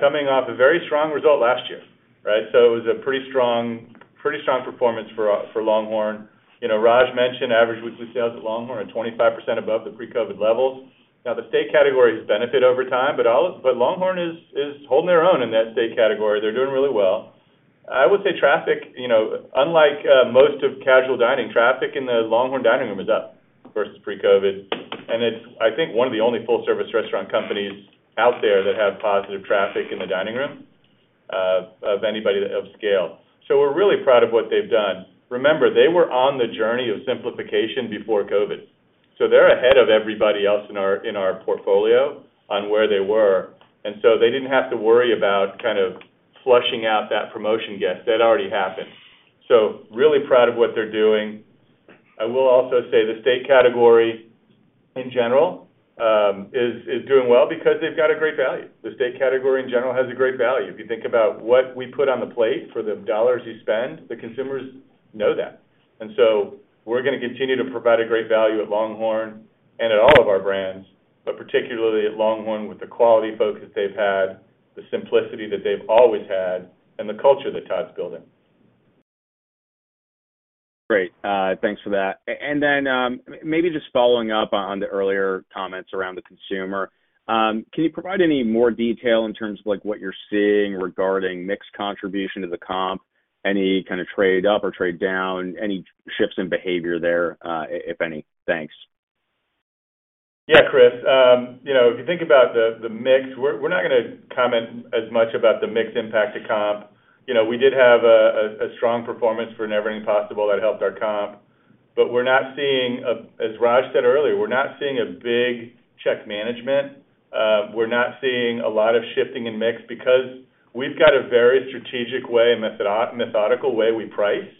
coming off a very strong result last year, right? It was a pretty strong, pretty strong performance for LongHorn. You know, Raj mentioned average weekly sales at LongHorn are 25% above the pre-COVID levels. The state categories benefit over time, but LongHorn is holding their own in that state category. They're doing really well. I would say traffic, you know, unlike most of casual dining, traffic in the LongHorn dining room is up versus pre-COVID. It's, I think, one of the only full-service restaurant companies out there that have positive traffic in the dining room of anybody of scale. We're really proud of what they've done. Remember, they were on the journey of simplification before COVID, so they're ahead of everybody else in our portfolio on where they were. They didn't have to worry about kind of flushing out that promotion guest. That already happened. Really proud of what they're doing. I will also say the steak category in general is doing well because they've got a great value. The steak category in general has a great value. If you think about what we put on the plate for the dollars you spend, the consumers know that. We're gonna continue to provide a great value at LongHorn and at all of our brands, but particularly at LongHorn, with the quality focus they've had, the simplicity that they've always had, and the culture that Todd's building. Great. thanks for that. maybe just following up on the earlier comments around the consumer, can you provide any more detail in terms of like what you're seeing regarding mix contribution to the comp, any kind of trade up or trade down, any shifts in behavior there, if any? Thanks. Yeah, Chris. you know, if you think about the mix, we're not gonna comment as much about the mix impact to comp. You know, we did have a strong performance for Never Ending Pasta Bowl that helped our comp. We're not seeing as Raj said earlier, we're not seeing a big check management. we're not seeing a lot of shifting in mix because we've got a very strategic way and methodical way we price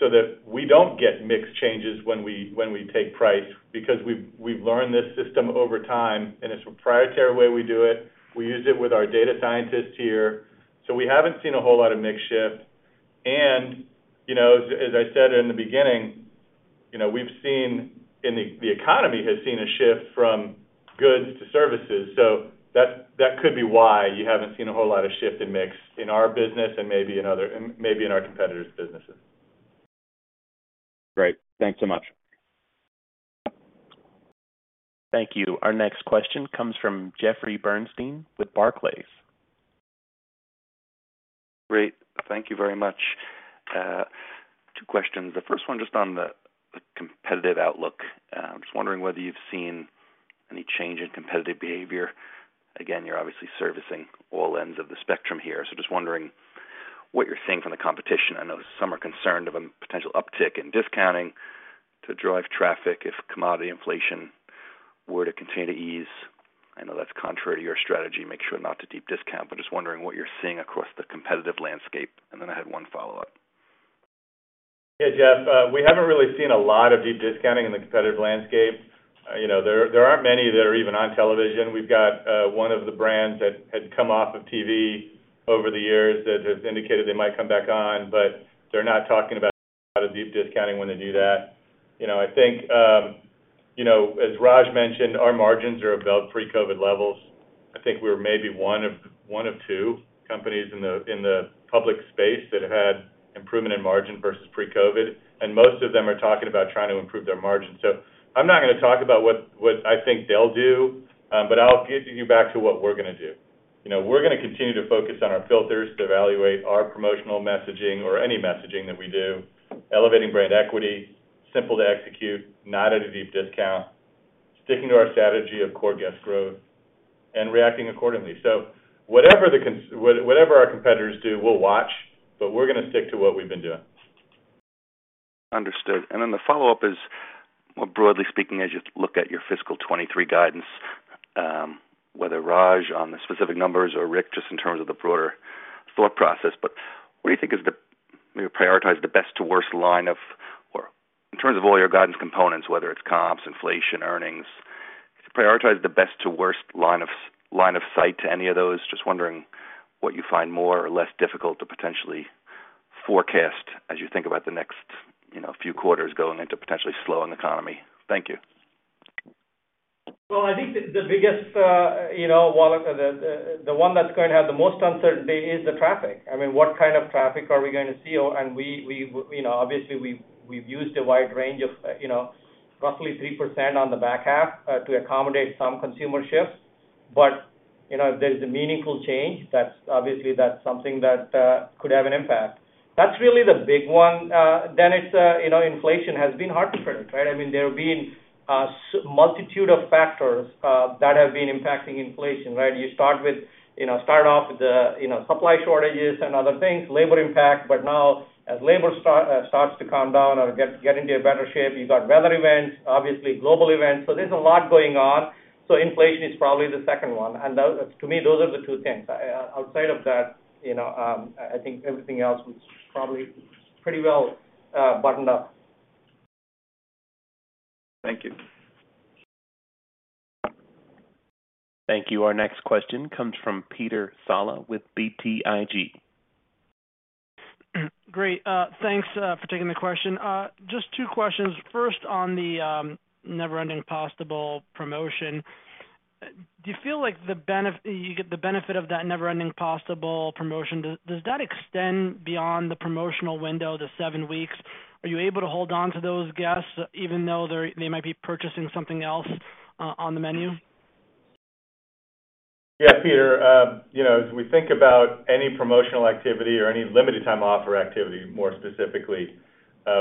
so that we don't get mix changes when we, when we take price because we've learned this system over time and it's a proprietary way we do it. We use it with our data scientists here, so we haven't seen a whole lot of mix shift. You know, as I said in the beginning. You know, we've seen. The economy has seen a shift from goods to services. That could be why you haven't seen a whole lot of shift in mix in our business and maybe in other, maybe in our competitors' businesses. Great. Thanks so much. Thank you. Our next question comes from Jeffrey Bernstein with Barclays. Great. Thank you very much. two questions. The first one just on the competitive outlook. I'm just wondering whether you've seen any change in competitive behavior. Again, you're obviously servicing all ends of the spectrum here, so just wondering what you're seeing from the competition. I know some are concerned of a potential uptick in discounting to drive traffic if commodity inflation were to continue to ease. I know that's contrary to your strategy, make sure not to deep discount, but just wondering what you're seeing across the competitive landscape. I had one follow-up. Jeff, we haven't really seen a lot of deep discounting in the competitive landscape. You know, there aren't many that are even on television. We've got one of the brands that had come off of TV over the years that has indicated they might come back on, but they're not talking about a lot of deep discounting when they do that. You know, I think, you know, as Raj mentioned, our margins are above pre-COVID levels. I think we're maybe one of two companies in the public space that had improvement in margin versus pre-COVID, and most of them are talking about trying to improve their margins. I'm not gonna talk about what I think they'll do, but I'll get you back to what we're gonna do. You know, we're gonna continue to focus on our filters to evaluate our promotional messaging or any messaging that we do, elevating brand equity, simple to execute, not at a deep discount, sticking to our strategy of core guest growth and reacting accordingly. Whatever our competitors do, we'll watch, but we're gonna stick to what we've been doing. Understood. The follow-up is, more broadly speaking, as you look at your fiscal 23 guidance, whether Raj on the specific numbers or Rick just in terms of the broader thought process. What do you think Do you prioritize the best to worst Or in terms of all your guidance components, whether it's comps, inflation, earnings, do you prioritize the best to worst line of sight to any of those? Just wondering what you find more or less difficult to potentially forecast as you think about the next, you know, few quarters going into potentially slowing economy. Thank you. Well, I think the biggest, you know, well, the one that's going to have the most uncertainty is the traffic. I mean, what kind of traffic are we gonna see? We, you know, obviously we've used a wide range of, you know, roughly 3% on the back half to accommodate some consumer shifts. You know, if there's a meaningful change, that's obviously something that could have an impact. That's really the big one. It's, you know, inflation has been hard to predict, right? I mean, there have been a multitude of factors that have been impacting inflation, right? You start with, you know, start off with the, you know, supply shortages and other things, labor impact. Now as labor starts to calm down or get into a better shape, you got weather events, obviously global events. There's a lot going on. Inflation is probably the second one. To me, those are the two things. Outside of that, you know, I think everything else is probably pretty well buttoned up. Thank you. Thank you. Our next question comes from Peter Saleh with BTIG. Great. Thanks for taking the question. Just two questions. First, on the Never Ending Pasta Bowl promotion, do you feel like you get the benefit of that Never Ending Pasta Bowl promotion, does that extend beyond the promotional window, the seven weeks? Are you able to hold on to those guests even though they might be purchasing something else on the menu? Peter, you know, as we think about any promotional activity or any limited time offer activity, more specifically,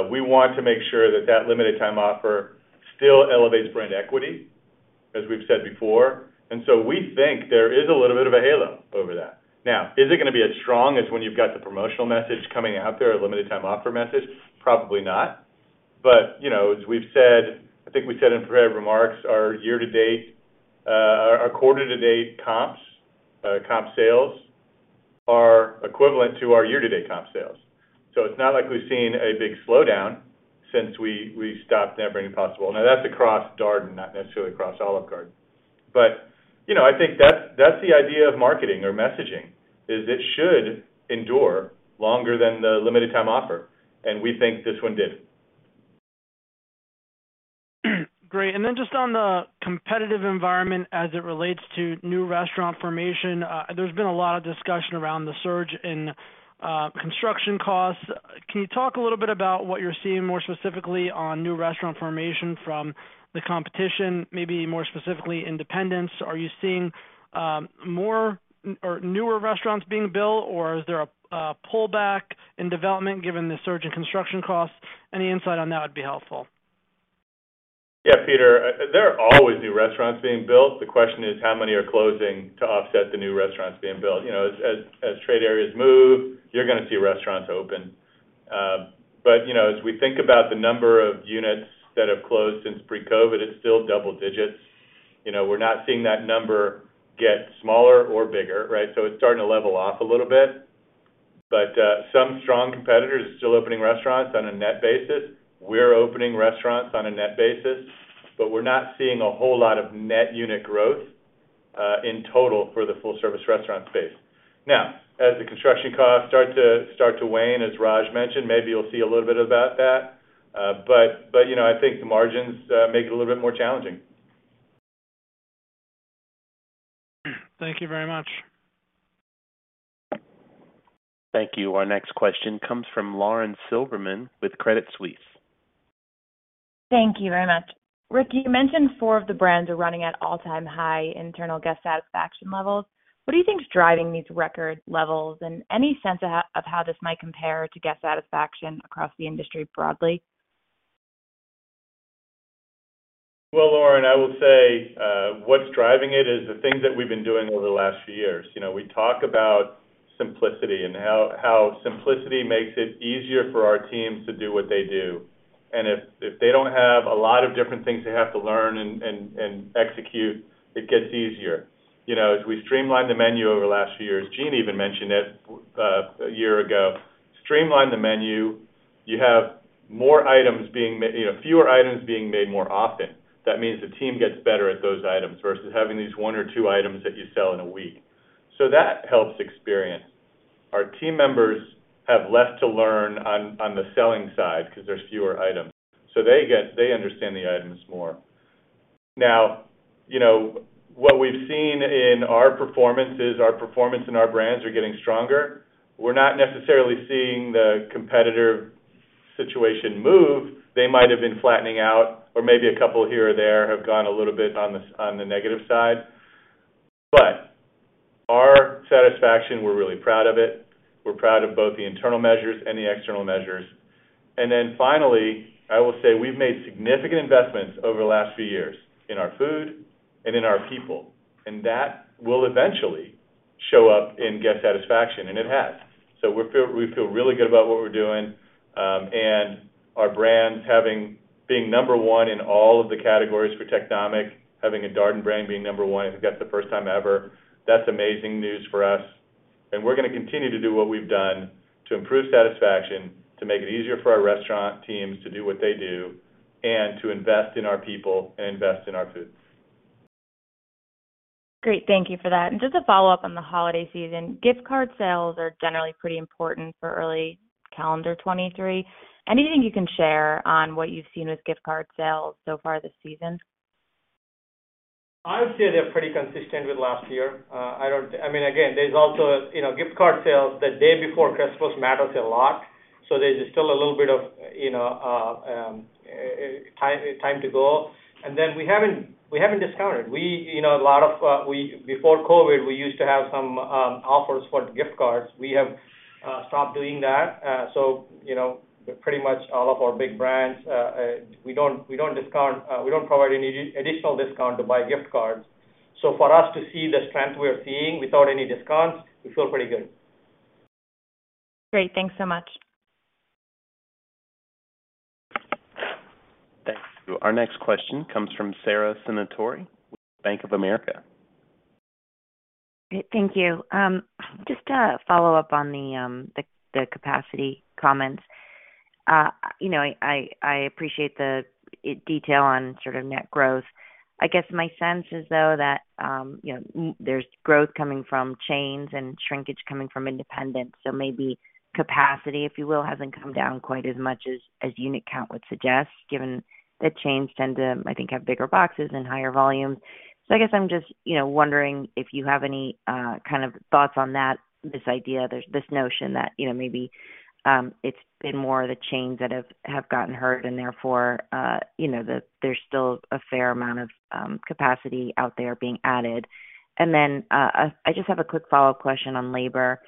we want to make sure that that limited time offer still elevates brand equity, as we've said before. We think there is a little bit of a halo over that. Is it gonna be as strong as when you've got the promotional message coming out there or limited time offer message? Probably not. You know, as we've said, I think we said in prepared remarks, our year to date, our quarter to date comps, comp sales are equivalent to our year to date comp sales. It's not like we've seen a big slowdown since we stopped Never Ending Pasta Bowl. That's across Darden, not necessarily across Olive Garden. You know, I think that's the idea of marketing or messaging, is it should endure longer than the limited time offer, and we think this one did. Great. Just on the competitive environment as it relates to new restaurant formation, there's been a lot of discussion around the surge in construction costs. Can you talk a little bit about what you're seeing more specifically on new restaurant formation from the competition, maybe more specifically, independents? Are you seeing more or newer restaurants being built, or is there a pullback in development given the surge in construction costs? Any insight on that would be helpful. Yeah, Peter, there are always new restaurants being built. The question is how many are closing to offset the new restaurants being built. You know, as trade areas move, you're gonna see restaurants open. You know, as we think about the number of units that have closed since pre-COVID, it's still double digits. You know, we're not seeing that number get smaller or bigger, right? It's starting to level off a little bit. Some strong competitors are still opening restaurants on a net basis. We're opening restaurants on a net basis, we're not seeing a whole lot of net unit growth in total for the full service restaurant space. As the construction costs start to wane, as Raj mentioned, maybe you'll see a little bit about that. You know, I think the margins make it a little bit more challenging. Thank you very much. Thank you. Our next question comes from Lauren Silberman with Credit Suisse. Thank you very much. Rick, you mentioned four of the brands are running at all-time high internal guest satisfaction levels. What do you think is driving these record levels? Any sense of how this might compare to guest satisfaction across the industry broadly? Lauren, I will say, what's driving it is the things that we've been doing over the last few years. You know, we talk about simplicity and how simplicity makes it easier for our teams to do what they do. If they don't have a lot of different things they have to learn and execute, it gets easier. You know, as we streamlined the menu over the last few years, Gene even mentioned it a year ago. Streamline the menu, you have more items being, you know, fewer items being made more often. That means the team gets better at those items versus having these one or two items that you sell in a week. That helps experience. Our team members have less to learn on the selling side because there's fewer items. They get... They understand the items more. You know, what we've seen in our performance is our performance and our brands are getting stronger. We're not necessarily seeing the competitor situation move. They might have been flattening out or maybe a couple here or there have gone a little bit on the, on the negative side. Our satisfaction, we're really proud of it. We're proud of both the internal measures and the external measures. Finally, I will say we've made significant investments over the last few years in our food and in our people, and that will eventually show up in guest satisfaction, and it has. We feel really good about what we're doing. Our brands being number one in all of the categories for Technomic, having a Darden brand being number one, that's the first time ever. That's amazing news for us. We're gonna continue to do what we've done to improve satisfaction, to make it easier for our restaurant teams to do what they do, and to invest in our people and invest in our food. Great. Thank you for that. Just a follow-up on the holiday season. Gift card sales are generally pretty important for early calendar 2023. Anything you can share on what you've seen with gift card sales so far this season? I would say they're pretty consistent with last year. I mean, again, there's also, you know, gift card sales the day before Christmas matters a lot. There's still a little bit of, you know, time to go. We haven't discounted. We, you know, before COVID, we used to have some offers for gift cards. We have stopped doing that. You know, pretty much all of our big brands, we don't provide any additional discount to buy gift cards. For us to see the strength we are seeing without any discounts, we feel pretty good. Great. Thanks so much. Thank you. Our next question comes from Sara Senatore, Bank of America. Great. Thank you. Just to follow up on the capacity comments. You know, I appreciate the detail on sort of net growth. I guess my sense is, though, that, you know, there's growth coming from chains and shrinkage coming from independents, so maybe capacity, if you will, hasn't come down quite as much as unit count would suggest, given that chains tend to, I think, have bigger boxes and higher volumes. I guess I'm just, you know, wondering if you have any kind of thoughts on that, this idea, this notion that, you know, maybe it's been more of the chains that have gotten hurt and therefore, you know, there's still a fair amount of capacity out there being added. I just have a quick follow-up question on labor.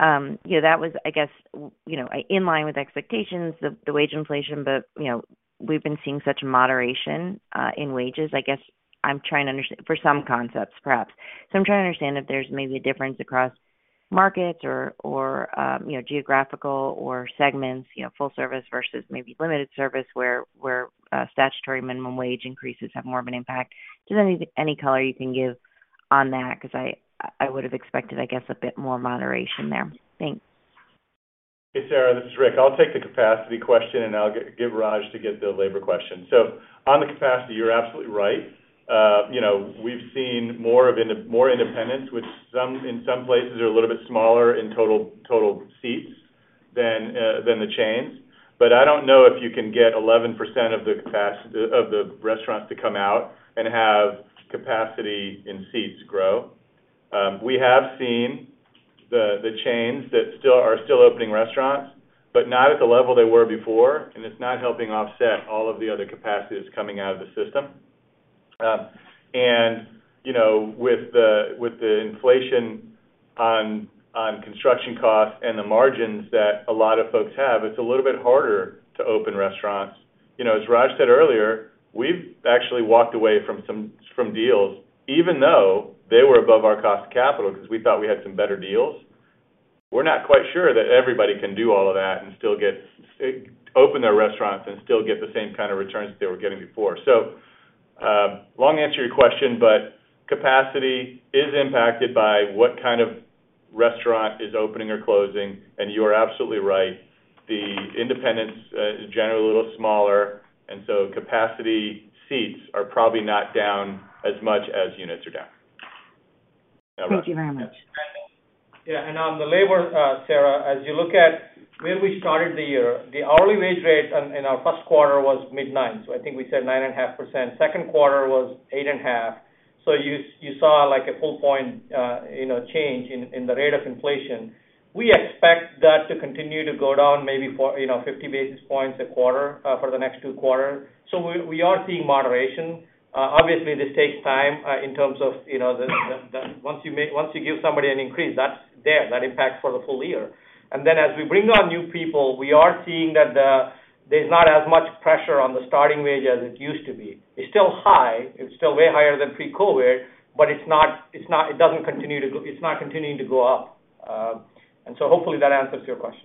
You know, that was, I guess, you know, in line with expectations of the wage inflation, but, you know, we've been seeing such moderation in wages. I guess I'm trying to understand for some concepts, perhaps. I'm trying to understand if there's maybe a difference across markets or, you know, geographical or segments, you know, full service versus maybe limited service, where statutory minimum wage increases have more of an impact. Just any color you can give on that, 'cause I would have expected, I guess, a bit more moderation there. Thanks. Hey, Sara, this is Rick. I'll take the capacity question, and I'll give Raj to get the labor question. On the capacity, you're absolutely right. You know, we've seen more independents, which in some places are a little bit smaller in total seats than the chains. I don't know if you can get 11% of the restaurants to come out and have capacity in seats grow. We have seen the chains that are still opening restaurants, but not at the level they were before, and it's not helping offset all of the other capacity that's coming out of the system. You know, with the inflation on construction costs and the margins that a lot of folks have, it's a little bit harder to open restaurants. You know, as Raj said earlier, we've actually walked away from some deals even though they were above our cost of capital because we thought we had some better deals. We're not quite sure that everybody can do all of that and still open their restaurants and still get the same kind of returns that they were getting before. Long answer to your question, but capacity is impacted by what kind of restaurant is opening or closing. You are absolutely right. The independents, generally a little smaller. Capacity seats are probably not down as much as units are down. Thank you very much. And on the labor, Sara, as you look at where we started the year, the hourly wage rate in our first quarter was mid-9%. I think we said 9.5%. Second quarter was 8.5%. You, you saw, like, a full point, you know, change in the rate of inflation. We expect that to continue to go down maybe for, you know, 50 basis points a quarter for the next two quarters. We, we are seeing moderation. Obviously, this takes time, in terms of, you know, once you give somebody an increase, that's there. That impacts for the full year. As we bring on new people, we are seeing that there's not as much pressure on the starting wage as it used to be. It's still high. It's still way higher than pre-COVID, but it's not continuing to go up. Hopefully that answers your question.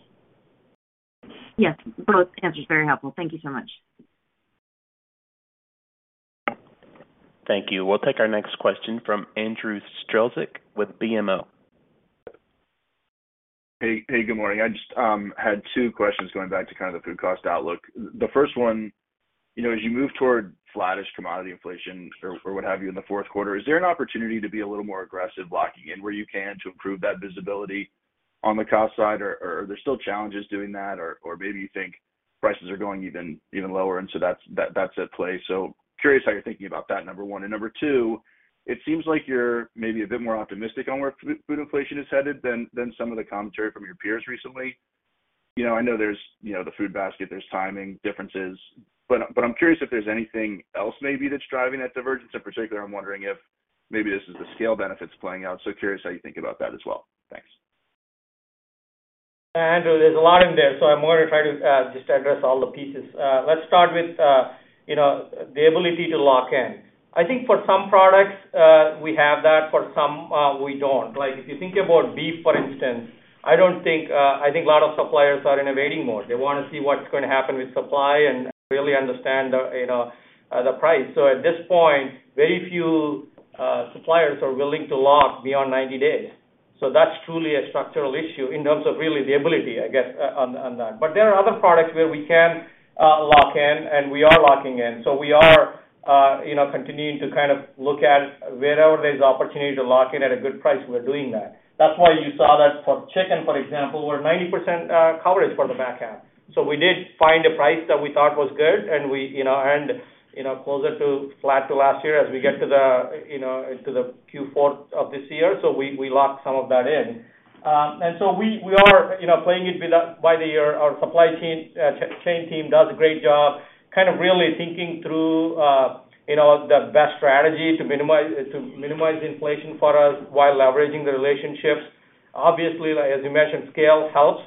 Yes, both answers are very helpful. Thank you so much. Thank you. We'll take our next question from Andrew Strelzik with BMO. Hey, hey, good morning. I just had two questions going back to kind of the food cost outlook. The first one, you know, as you move toward flattish commodity inflation or what have you in the fourth quarter, is there an opportunity to be a little more aggressive locking in where you can to improve that visibility on the cost side? Or are there still challenges doing that? Or maybe you think prices are going even lower, and so that's at play. So curious how you're thinking about that, number one. Number two, it seems like you're maybe a bit more optimistic on where food inflation is headed than some of the commentary from your peers recently. You know, I know there's, you know, the food basket, there's timing differences, but I'm curious if there's anything else maybe that's driving that divergence. In particular, I'm wondering if maybe this is the scale benefits playing out. Curious how you think about that as well. Thanks. Andrew, there's a lot in there, so I'm gonna try to just address all the pieces. Let's start with, you know, the ability to lock in. I think for some products, we have that. For some, we don't. Like, if you think about beef, for instance, I don't think I think a lot of suppliers are in a waiting mode. They wanna see what's gonna happen with supply and really understand the, you know, the price. At this point, very few suppliers are willing to lock beyond 90 days. That's truly a structural issue in terms of really the ability, I guess, on that. There are other products where we can lock in, and we are locking in. We are, you know, continuing to kind of look at wherever there's opportunity to lock in at a good price. We're doing that. That's why you saw that for chicken, for example, we're 90% coverage for the back half. We did find a price that we thought was good and we, you know, earned, you know, closer to flat to last year as we get to the, you know, into the Q4 of this year. We locked some of that in. We are, you know, playing it by the year. Our supply chain team does a great job kind of really thinking through, you know, the best strategy to minimize inflation for us while leveraging the relationships. Obviously, as you mentioned, scale helps.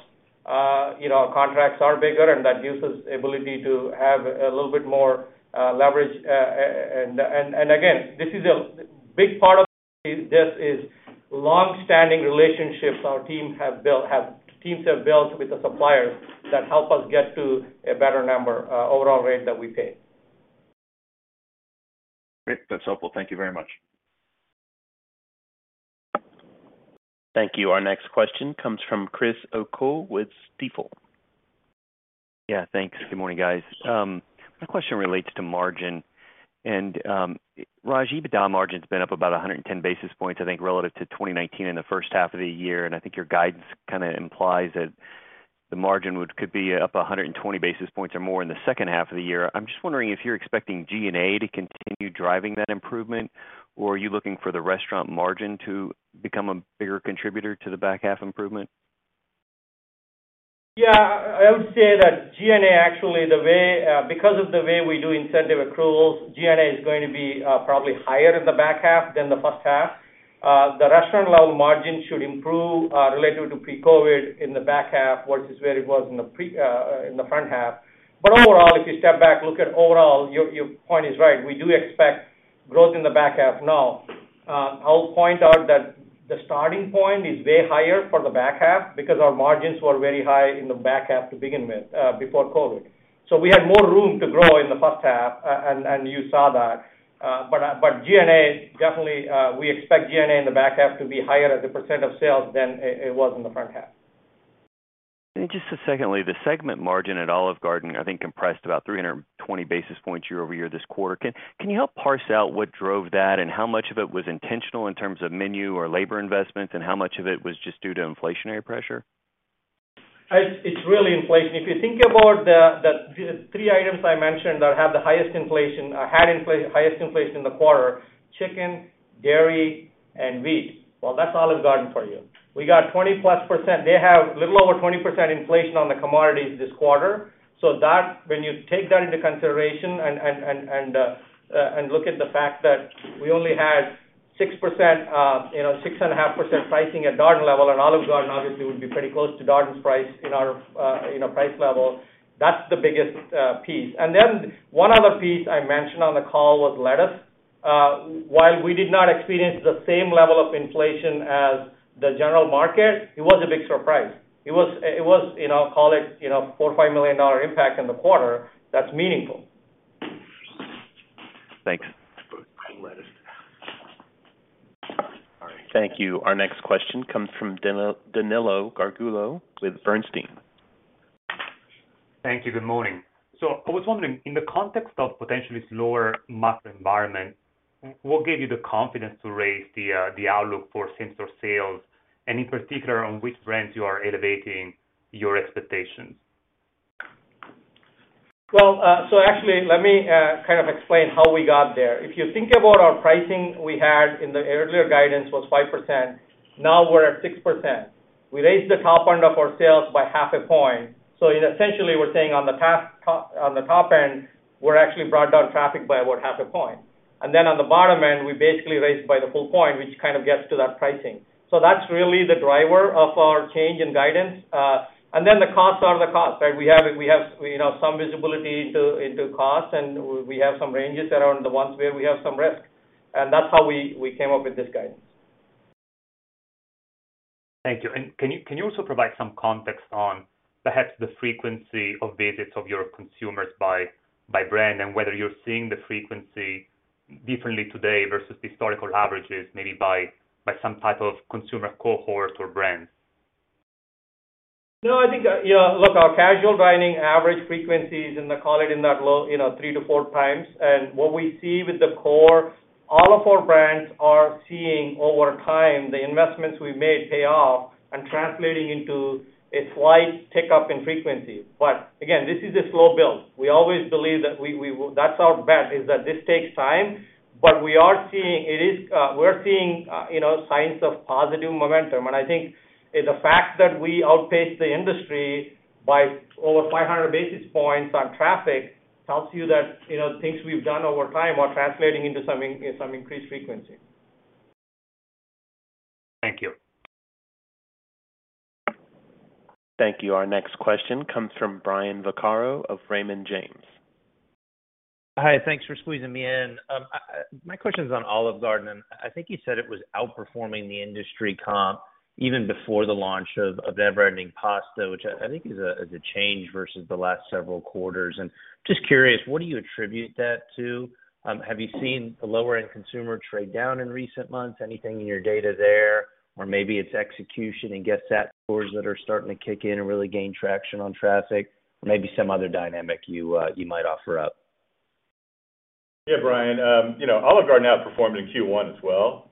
You know, our contracts are bigger, and that gives us ability to have a little bit more leverage. Again, this is a big part of this is long-standing relationships our teams have built with the suppliers that help us get to a better number, overall rate that we pay. Great. That's helpful. Thank you very much. Thank you. Our next question comes from Chris O'Cull with Stifel. Yeah, thanks. Good morning, guys. My question relates to margin. Raj, EBITDA margin's been up about 110 basis points, I think, relative to 2019 in the first half of the year. I think your guidance kinda implies that the margin could be up 120 basis points or more in the second half of the year. I'm just wondering if you're expecting G&A to continue driving that improvement, or are you looking for the restaurant margin to become a bigger contributor to the back half improvement? Yeah. I would say that G&A actually, the way, because of the way we do incentive accruals, G&A is going to be, probably higher in the back half than the first half. The restaurant level margin should improve, relative to pre-COVID in the back half versus where it was in the pre in the front half. Overall, if you step back, look at overall, your point is right. We do expect growth in the back half now. I'll point out that the starting point is way higher for the back half because our margins were very high in the back half to begin with, before COVID. We had more room to grow in the first half, and you saw that. G&A, definitely, we expect G&A in the back half to be higher as a percent of sales than it was in the front half. Just secondly, the segment margin at Olive Garden, I think, compressed about 320 basis points year-over-year this quarter. Can you help parse out what drove that and how much of it was intentional in terms of menu or labor investments, and how much of it was just due to inflationary pressure? It's really inflation. If you think about the three items I mentioned that have the highest inflation, had highest inflation in the quarter, chicken, dairy, and wheat. Well, that's Olive Garden for you. We got 20%+. They have a little over 20% inflation on the commodities this quarter. When you take that into consideration and look at the fact that we only had 6%, you know, 6.5% pricing at Darden level, and Olive Garden obviously would be pretty close to Darden's price in our, you know, price level, that's the biggest piece. One other piece I mentioned on the call was lettuce. While we did not experience the same level of inflation as the general market, it was a big surprise. It was, you know, call it, you know, $4 million or $5 million impact in the quarter. That's meaningful. Thanks. Thank you. Our next question comes from Danilo Gargiulo with Bernstein. Thank you. Good morning. I was wondering, in the context of potentially slower macro environment, what gave you the confidence to raise the outlook for same-store sales? In particular, on which brands you are elevating your expectations? Well, actually let me kind of explain how we got there. If you think about our pricing we had in the earlier guidance was 5%, now we're at 6%. We raised the top end of our sales by half a point. Essentially we're saying on the top end, we're actually brought down traffic by about half a point. Then on the bottom end, we basically raised by the full point, which kind of gets to that pricing. That's really the driver of our change in guidance. Then the costs are the costs that we have. We have, you know, some visibility into costs, and we have some ranges that are on the ones where we have some risk. That's how we came up with this guidance. Thank you. Can you also provide some context on perhaps the frequency of visits of your consumers by brand, whether you're seeing the frequency differently today versus historical averages, maybe by some type of consumer cohort or brand? I think, you know, look, our casual dining average frequency is in the call it in that low, you know, three to four times. What we see with the core, all of our brands are seeing over time the investments we made pay off and translating into a slight tick up in frequency. Again, this is a slow build. We always believe that we will. That's our bet, is that this takes time. We are seeing, you know, signs of positive momentum. I think the fact that we outpaced the industry by over 500 basis points on traffic tells you that, you know, things we've done over time are translating into some increased frequency. Thank you. Thank you. Our next question comes from Brian Vaccaro of Raymond James. Hi. Thanks for squeezing me in. My question is on Olive Garden. I think you said it was outperforming the industry comp even before the launch of Never Ending Pasta, which I think is a change versus the last several quarters. Just curious, what do you attribute that to? Have you seen the lower end consumer trade down in recent months? Anything in your data there? Or maybe it's execution and guest sat scores that are starting to kick in and really gain traction on traffic? Or maybe some other dynamic you might offer up. Brian, you know, Olive Garden outperformed in Q1 as well.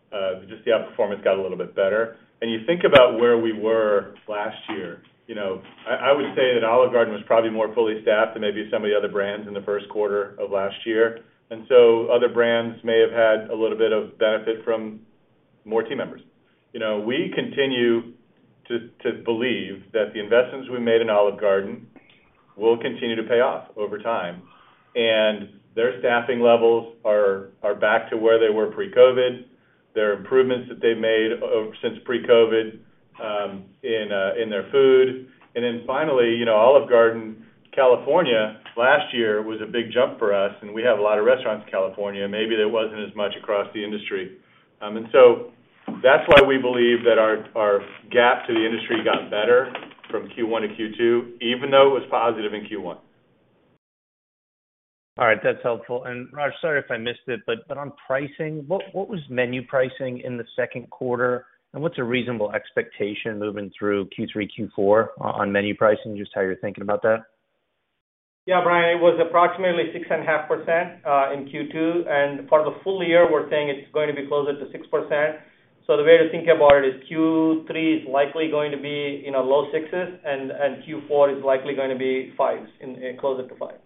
Just the outperformance got a little bit better. You think about where we were last year, you know, I would say that Olive Garden was probably more fully staffed than maybe some of the other brands in the first quarter of last year. Other brands may have had a little bit of benefit from more team members. You know, we continue to believe that the investments we made in Olive Garden will continue to pay off over time. Their staffing levels are back to where they were pre-COVID. There are improvements that they've made since pre-COVID in their food. Finally, you know, Olive Garden, California last year was a big jump for us, and we have a lot of restaurants in California. Maybe there wasn't as much across the industry. That's why we believe that our gap to the industry got better from Q1 to Q2, even though it was positive in Q1. All right, that's helpful. Raj, sorry if I missed it, but on pricing, what was menu pricing in the second quarter, and what's a reasonable expectation moving through Q3, Q4 on menu pricing? Just how you're thinking about that. Yeah, Brian, it was approximately 6.5% in Q2. For the full year, we're saying it's going to be closer to 6%. The way to think about it is Q3 is likely going to be in our low sixes, and Q4 is likely gonna be fives and closer to five.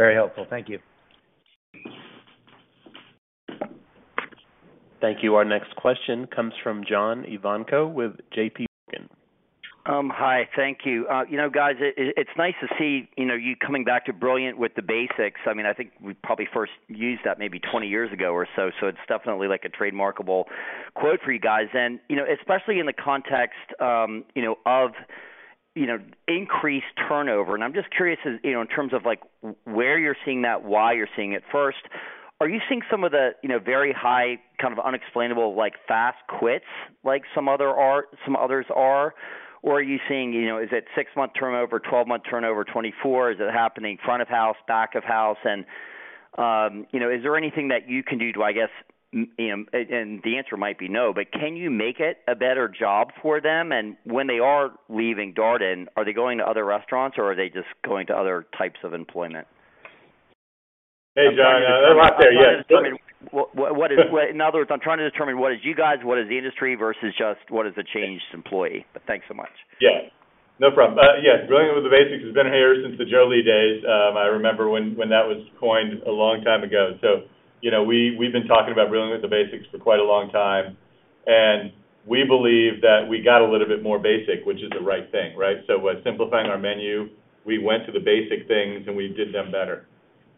Very helpful. Thank you. Thank you. Our next question comes from John Ivankoe with JPMorgan. Hi. Thank you. You know, guys, it's nice to see, you know, you coming back to brilliant with the basics. I mean, I think we probably first used that maybe 20 years ago or so it's definitely like a trademarkable quote for you guys. You know, especially in the context, you know, of, you know, increased turnover. I'm just curious, you know, in terms of like, where you're seeing that, why you're seeing it first. Are you seeing some of the, you know, very high kind of unexplainable, like, fast quits like some others are? Or are you seeing, you know, is it six-month turnover, 12-month turnover, 24? Is it happening front of house, back of house? You know, is there anything that you can do to, I guess, and the answer might be no, but can you make it a better job for them? When they are leaving Darden, are they going to other restaurants or are they just going to other types of employment? Hey, John. A lot there, yes. In other words, I'm trying to determine what is you guys, what is the industry versus just what is the changed employee. Thanks so much. No problem. Yes, brilliant with the basics has been here since the Joe Lee days. I remember when that was coined a long time ago. You know, we've been talking about brilliant with the basics for quite a long time, and we believe that we got a little bit more basic, which is the right thing, right? With simplifying our menu, we went to the basic things and we did them better.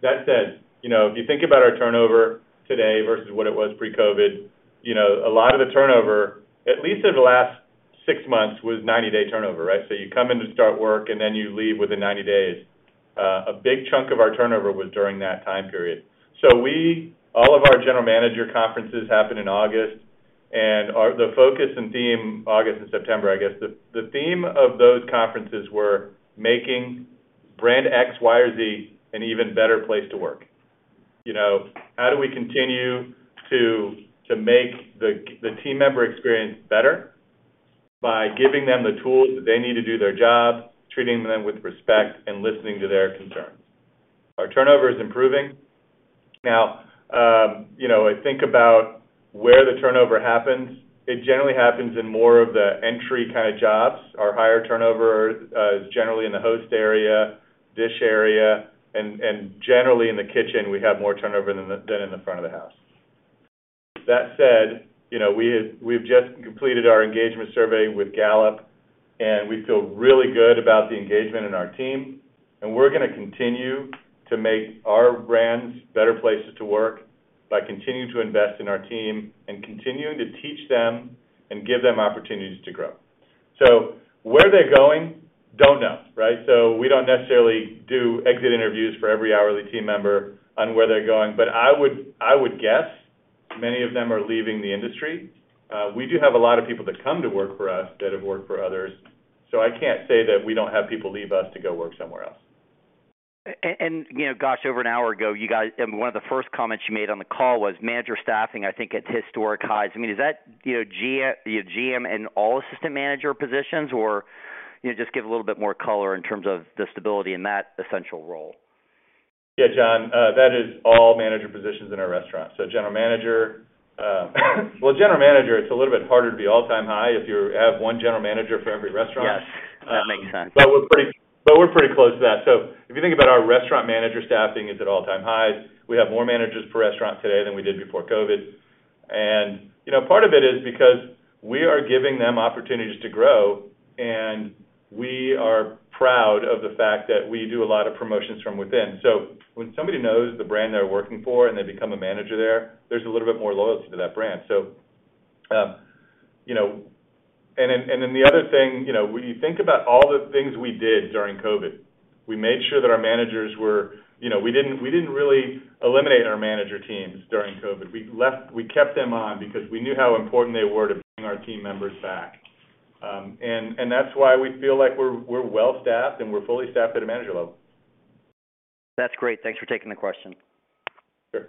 That said, you know, if you think about our turnover today versus what it was pre-COVID, you know, a lot of the turnover, at least in the last 6 months, was 90-day turnover, right? You come in to start work and then you leave within 90 days. A big chunk of our turnover was during that time period. All of our general manager conferences happened in August. The focus and theme, August and September, I guess the theme of those conferences were making Brand X, Y, or Z an even better place to work. You know, how do we continue to make the team member experience better? By giving them the tools that they need to do their job, treating them with respect, and listening to their concerns. Our turnover is improving. Now, you know, I think about where the turnover happens. It generally happens in more of the entry kind of jobs. Our higher turnover is generally in the host area, dish area, and generally in the kitchen, we have more turnover than in the front of the house. That said, you know, we've just completed our engagement survey with Gallup, and we feel really good about the engagement in our team, and we're gonna continue to make our brands better places to work by continuing to invest in our team and continuing to teach them and give them opportunities to grow. Where are they going? Don't know, right? We don't necessarily do exit interviews for every hourly team member on where they're going. I would guess many of them are leaving the industry. We do have a lot of people that come to work for us that have worked for others, so I can't say that we don't have people leave us to go work somewhere else. You know, gosh, over an hour ago, one of the first comments you made on the call was manager staffing, I think, at historic highs. I mean, is that, you know, GM in all assistant manager positions or, you know, just give a little bit more color in terms of the stability in that essential role? John, that is all manager positions in our restaurant. General manager, well, general manager, it's a little bit harder to be all-time high if you have one general manager for every restaurant. Yes. That makes sense. We're pretty close to that. If you think about our restaurant manager staffing is at all-time highs. We have more managers per restaurant today than we did before COVID. Part of it is because we are giving them opportunities to grow, and we are proud of the fact that we do a lot of promotions from within. When somebody knows the brand they're working for and they become a manager there's a little bit more loyalty to that brand. The other thing, when you think about all the things we did during COVID, we didn't really eliminate our manager teams during COVID. We kept them on because we knew how important they were to bring our team members back. That's why we feel like we're well staffed, and we're fully staffed at a manager level. That's great. Thanks for taking the question. Sure.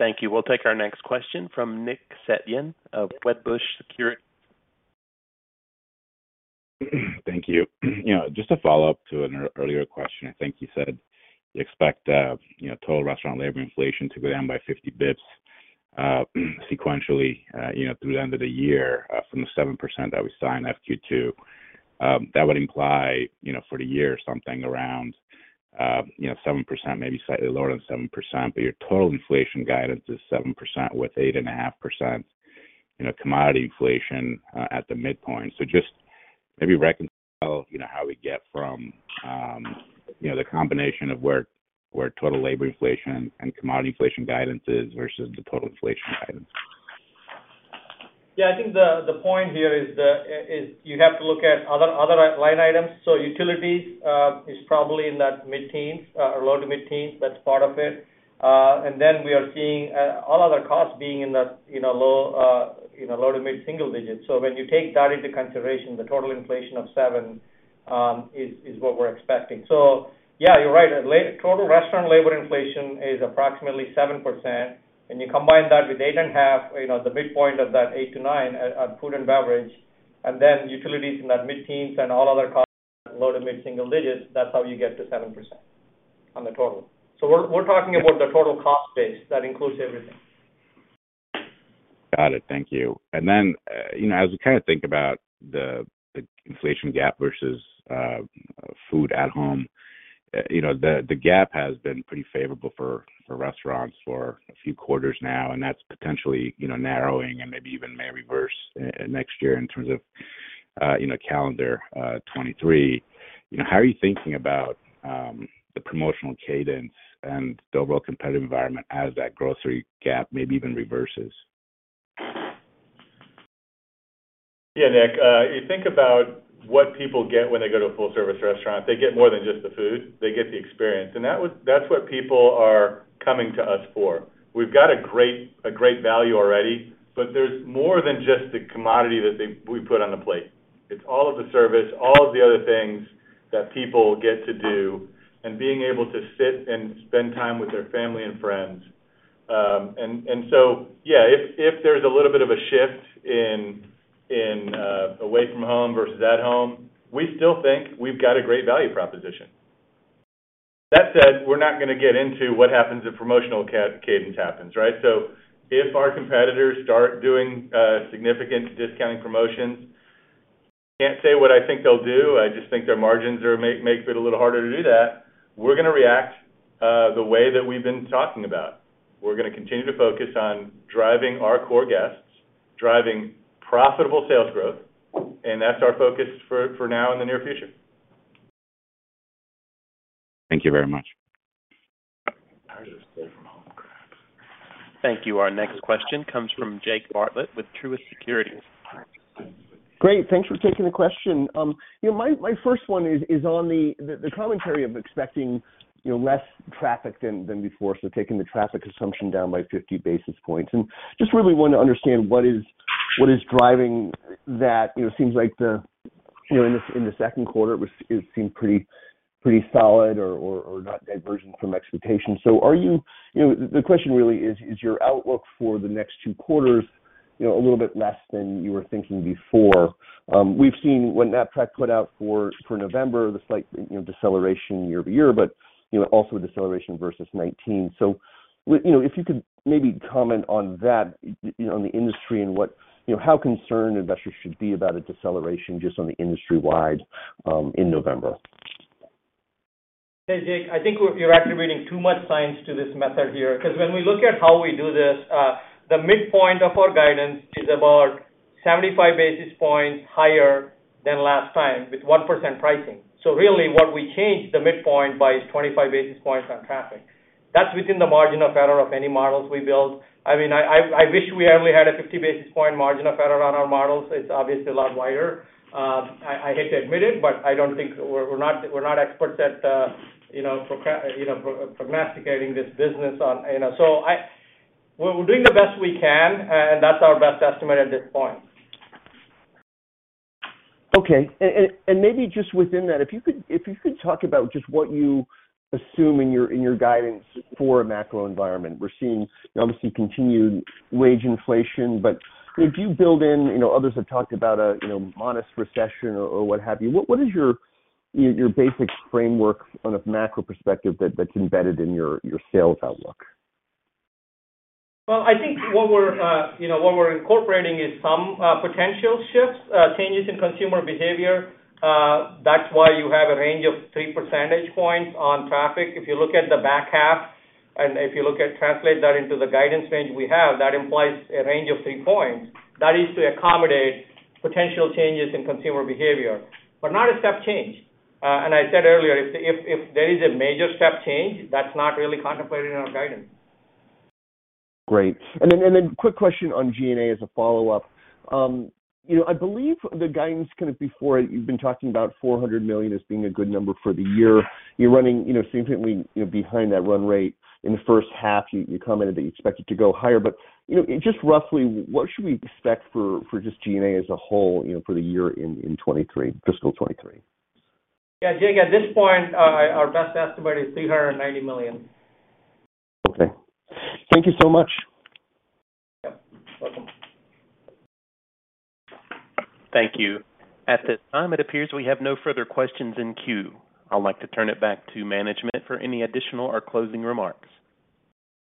Thank you. We'll take our next question from Nick Setyan of Wedbush Securities. Thank you. You know, just a follow-up to an earlier question. I think you said you expect, you know, total restaurant labor inflation to go down by 50 bips, sequentially, you know, through the end of the year, from the 7% that we saw in Q2. That would imply, you know, for the year, something around, you know, 7%, maybe slightly lower than 7%, but your total inflation guidance is 7% with 8.5%, you know, commodity inflation at the midpoint. Just maybe reconcile, you know, how we get from, you know, the combination of where total labor inflation and commodity inflation guidance is versus the total inflation guidance. Yeah, I think the point here is you have to look at other line items. Utilities is probably in that mid-teens or low to mid-teens. That's part of it. And then we are seeing all other costs being in that, you know, low, you know, low to mid-single digits. When you take that into consideration, the total inflation of seven is what we're expecting. Yeah, you're right. Total restaurant labor inflation is approximately 7%, and you combine that with 8.5, you know, the midpoint of that eight to nine at food and beverage, and then utilities in that mid-teens and all other costs low to mid-single digits, that's how you get to 7% on the total. We're talking about the total cost base that includes everything. Got it. Thank you. Then, you know, as we kind of think about the inflation gap versus food at home, you know, the gap has been pretty favorable for restaurants for a few quarters now, and that's potentially, you know, narrowing and maybe even may reverse next year in terms of, you know, calendar 2023. You know, how are you thinking about the promotional cadence and the overall competitive environment as that grocery gap maybe even reverses? Nick, you think about what people get when they go to a full-service restaurant. They get more than just the food. They get the experience. That's what people are coming to us for. We've got a great value already, but there's more than just the commodity that we put on the plate. It's all of the service, all of the other things that people get to do, and being able to sit and spend time with their family and friends. And so, if there's a little bit of a shift in away from home versus at home, we still think we've got a great value proposition. That said, we're not gonna get into what happens if promotional cadence happens, right? If our competitors start doing significant discounting promotions, I can't say what I think they'll do. I just think their margins makes it a little harder to do that. We're gonna react the way that we've been talking about. We're gonna continue to focus on driving our core guests, driving profitable sales growth. That's our focus for now and the near future. Thank you very much. Thank you. Our next question comes from Jake Bartlett with Truist Securities. Great. Thanks for taking the question. You know, my first one is on the commentary of expecting, you know, less traffic than before, so taking the traffic assumption down by 50 basis points. Just really want to understand what is What is driving that? You know, it seems like the, you know, in the, in the second quarter, it seemed pretty solid or not divergent from expectations. You know, the question really is your outlook for the next two quarters, you know, a little bit less than you were thinking before? We've seen what Knapp-Track put out for November, the slight, you know, deceleration year-over-year, but, you know, also a deceleration versus 19. You know, if you could maybe comment on that, you know, on the industry and what, you know, how concerned investors should be about a deceleration just on the industry-wide, in November. Hey, Jake. I think you're activating too much science to this method here, 'cause when we look at how we do this, the midpoint of our guidance is about 75 basis points higher than last time with 1% pricing. Really what we changed the midpoint by is 25 basis points on traffic. That's within the margin of error of any models we build. I mean, I wish we only had a 50-basis point margin of error on our models. It's obviously a lot wider. I hate to admit it, but I don't think we're not, we're not experts at prognosticating this business on... We're doing the best we can, and that's our best estimate at this point. Okay. Maybe just within that, if you could talk about just what you assume in your, in your guidance for a macro environment? We're seeing, you know, obviously continued wage inflation, did you build in, you know, others have talked about a, you know, modest recession or what have you? What is your basic framework on a macro perspective that's embedded in your sales outlook? Well, I think what we're, you know, what we're incorporating is some potential shifts, changes in consumer behavior. That's why you have a range of three percentage points on traffic. If you look at the back half, and if you look at translate that into the guidance range we have, that implies a range of three points. That is to accommodate potential changes in consumer behavior, but not a step change. I said earlier, if there is a major step change, that's not really contemplated in our guidance. Great. Then quick question on G&A as a follow-up? You know, I believe the guidance kind of before, you've been talking about $400 million as being a good number for the year. You're running, you know, significantly, you know, behind that run rate. In the first half, you commented that you expect it to go higher. You know, just roughly what should we expect for just G&A as a whole, you know, for the year in 2023, fiscal 2023? Yeah, Jake, at this point, our best estimate is $390 million. Okay. Thank you so much. Yep. Welcome. Thank you. At this time, it appears we have no further questions in queue. I'd like to turn it back to management for any additional or closing remarks.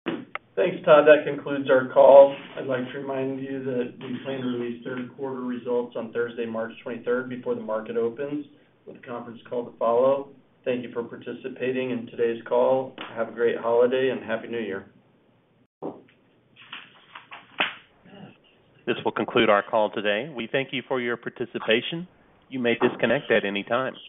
Thanks, Todd. That concludes our call. I'd like to remind you that we plan to release third quarter results on Thursday, March twenty-third before the market opens with a conference call to follow. Thank you for participating in today's call. Have a great holiday and happy New Year. This will conclude our call today. We thank you for your participation. You may disconnect at any time.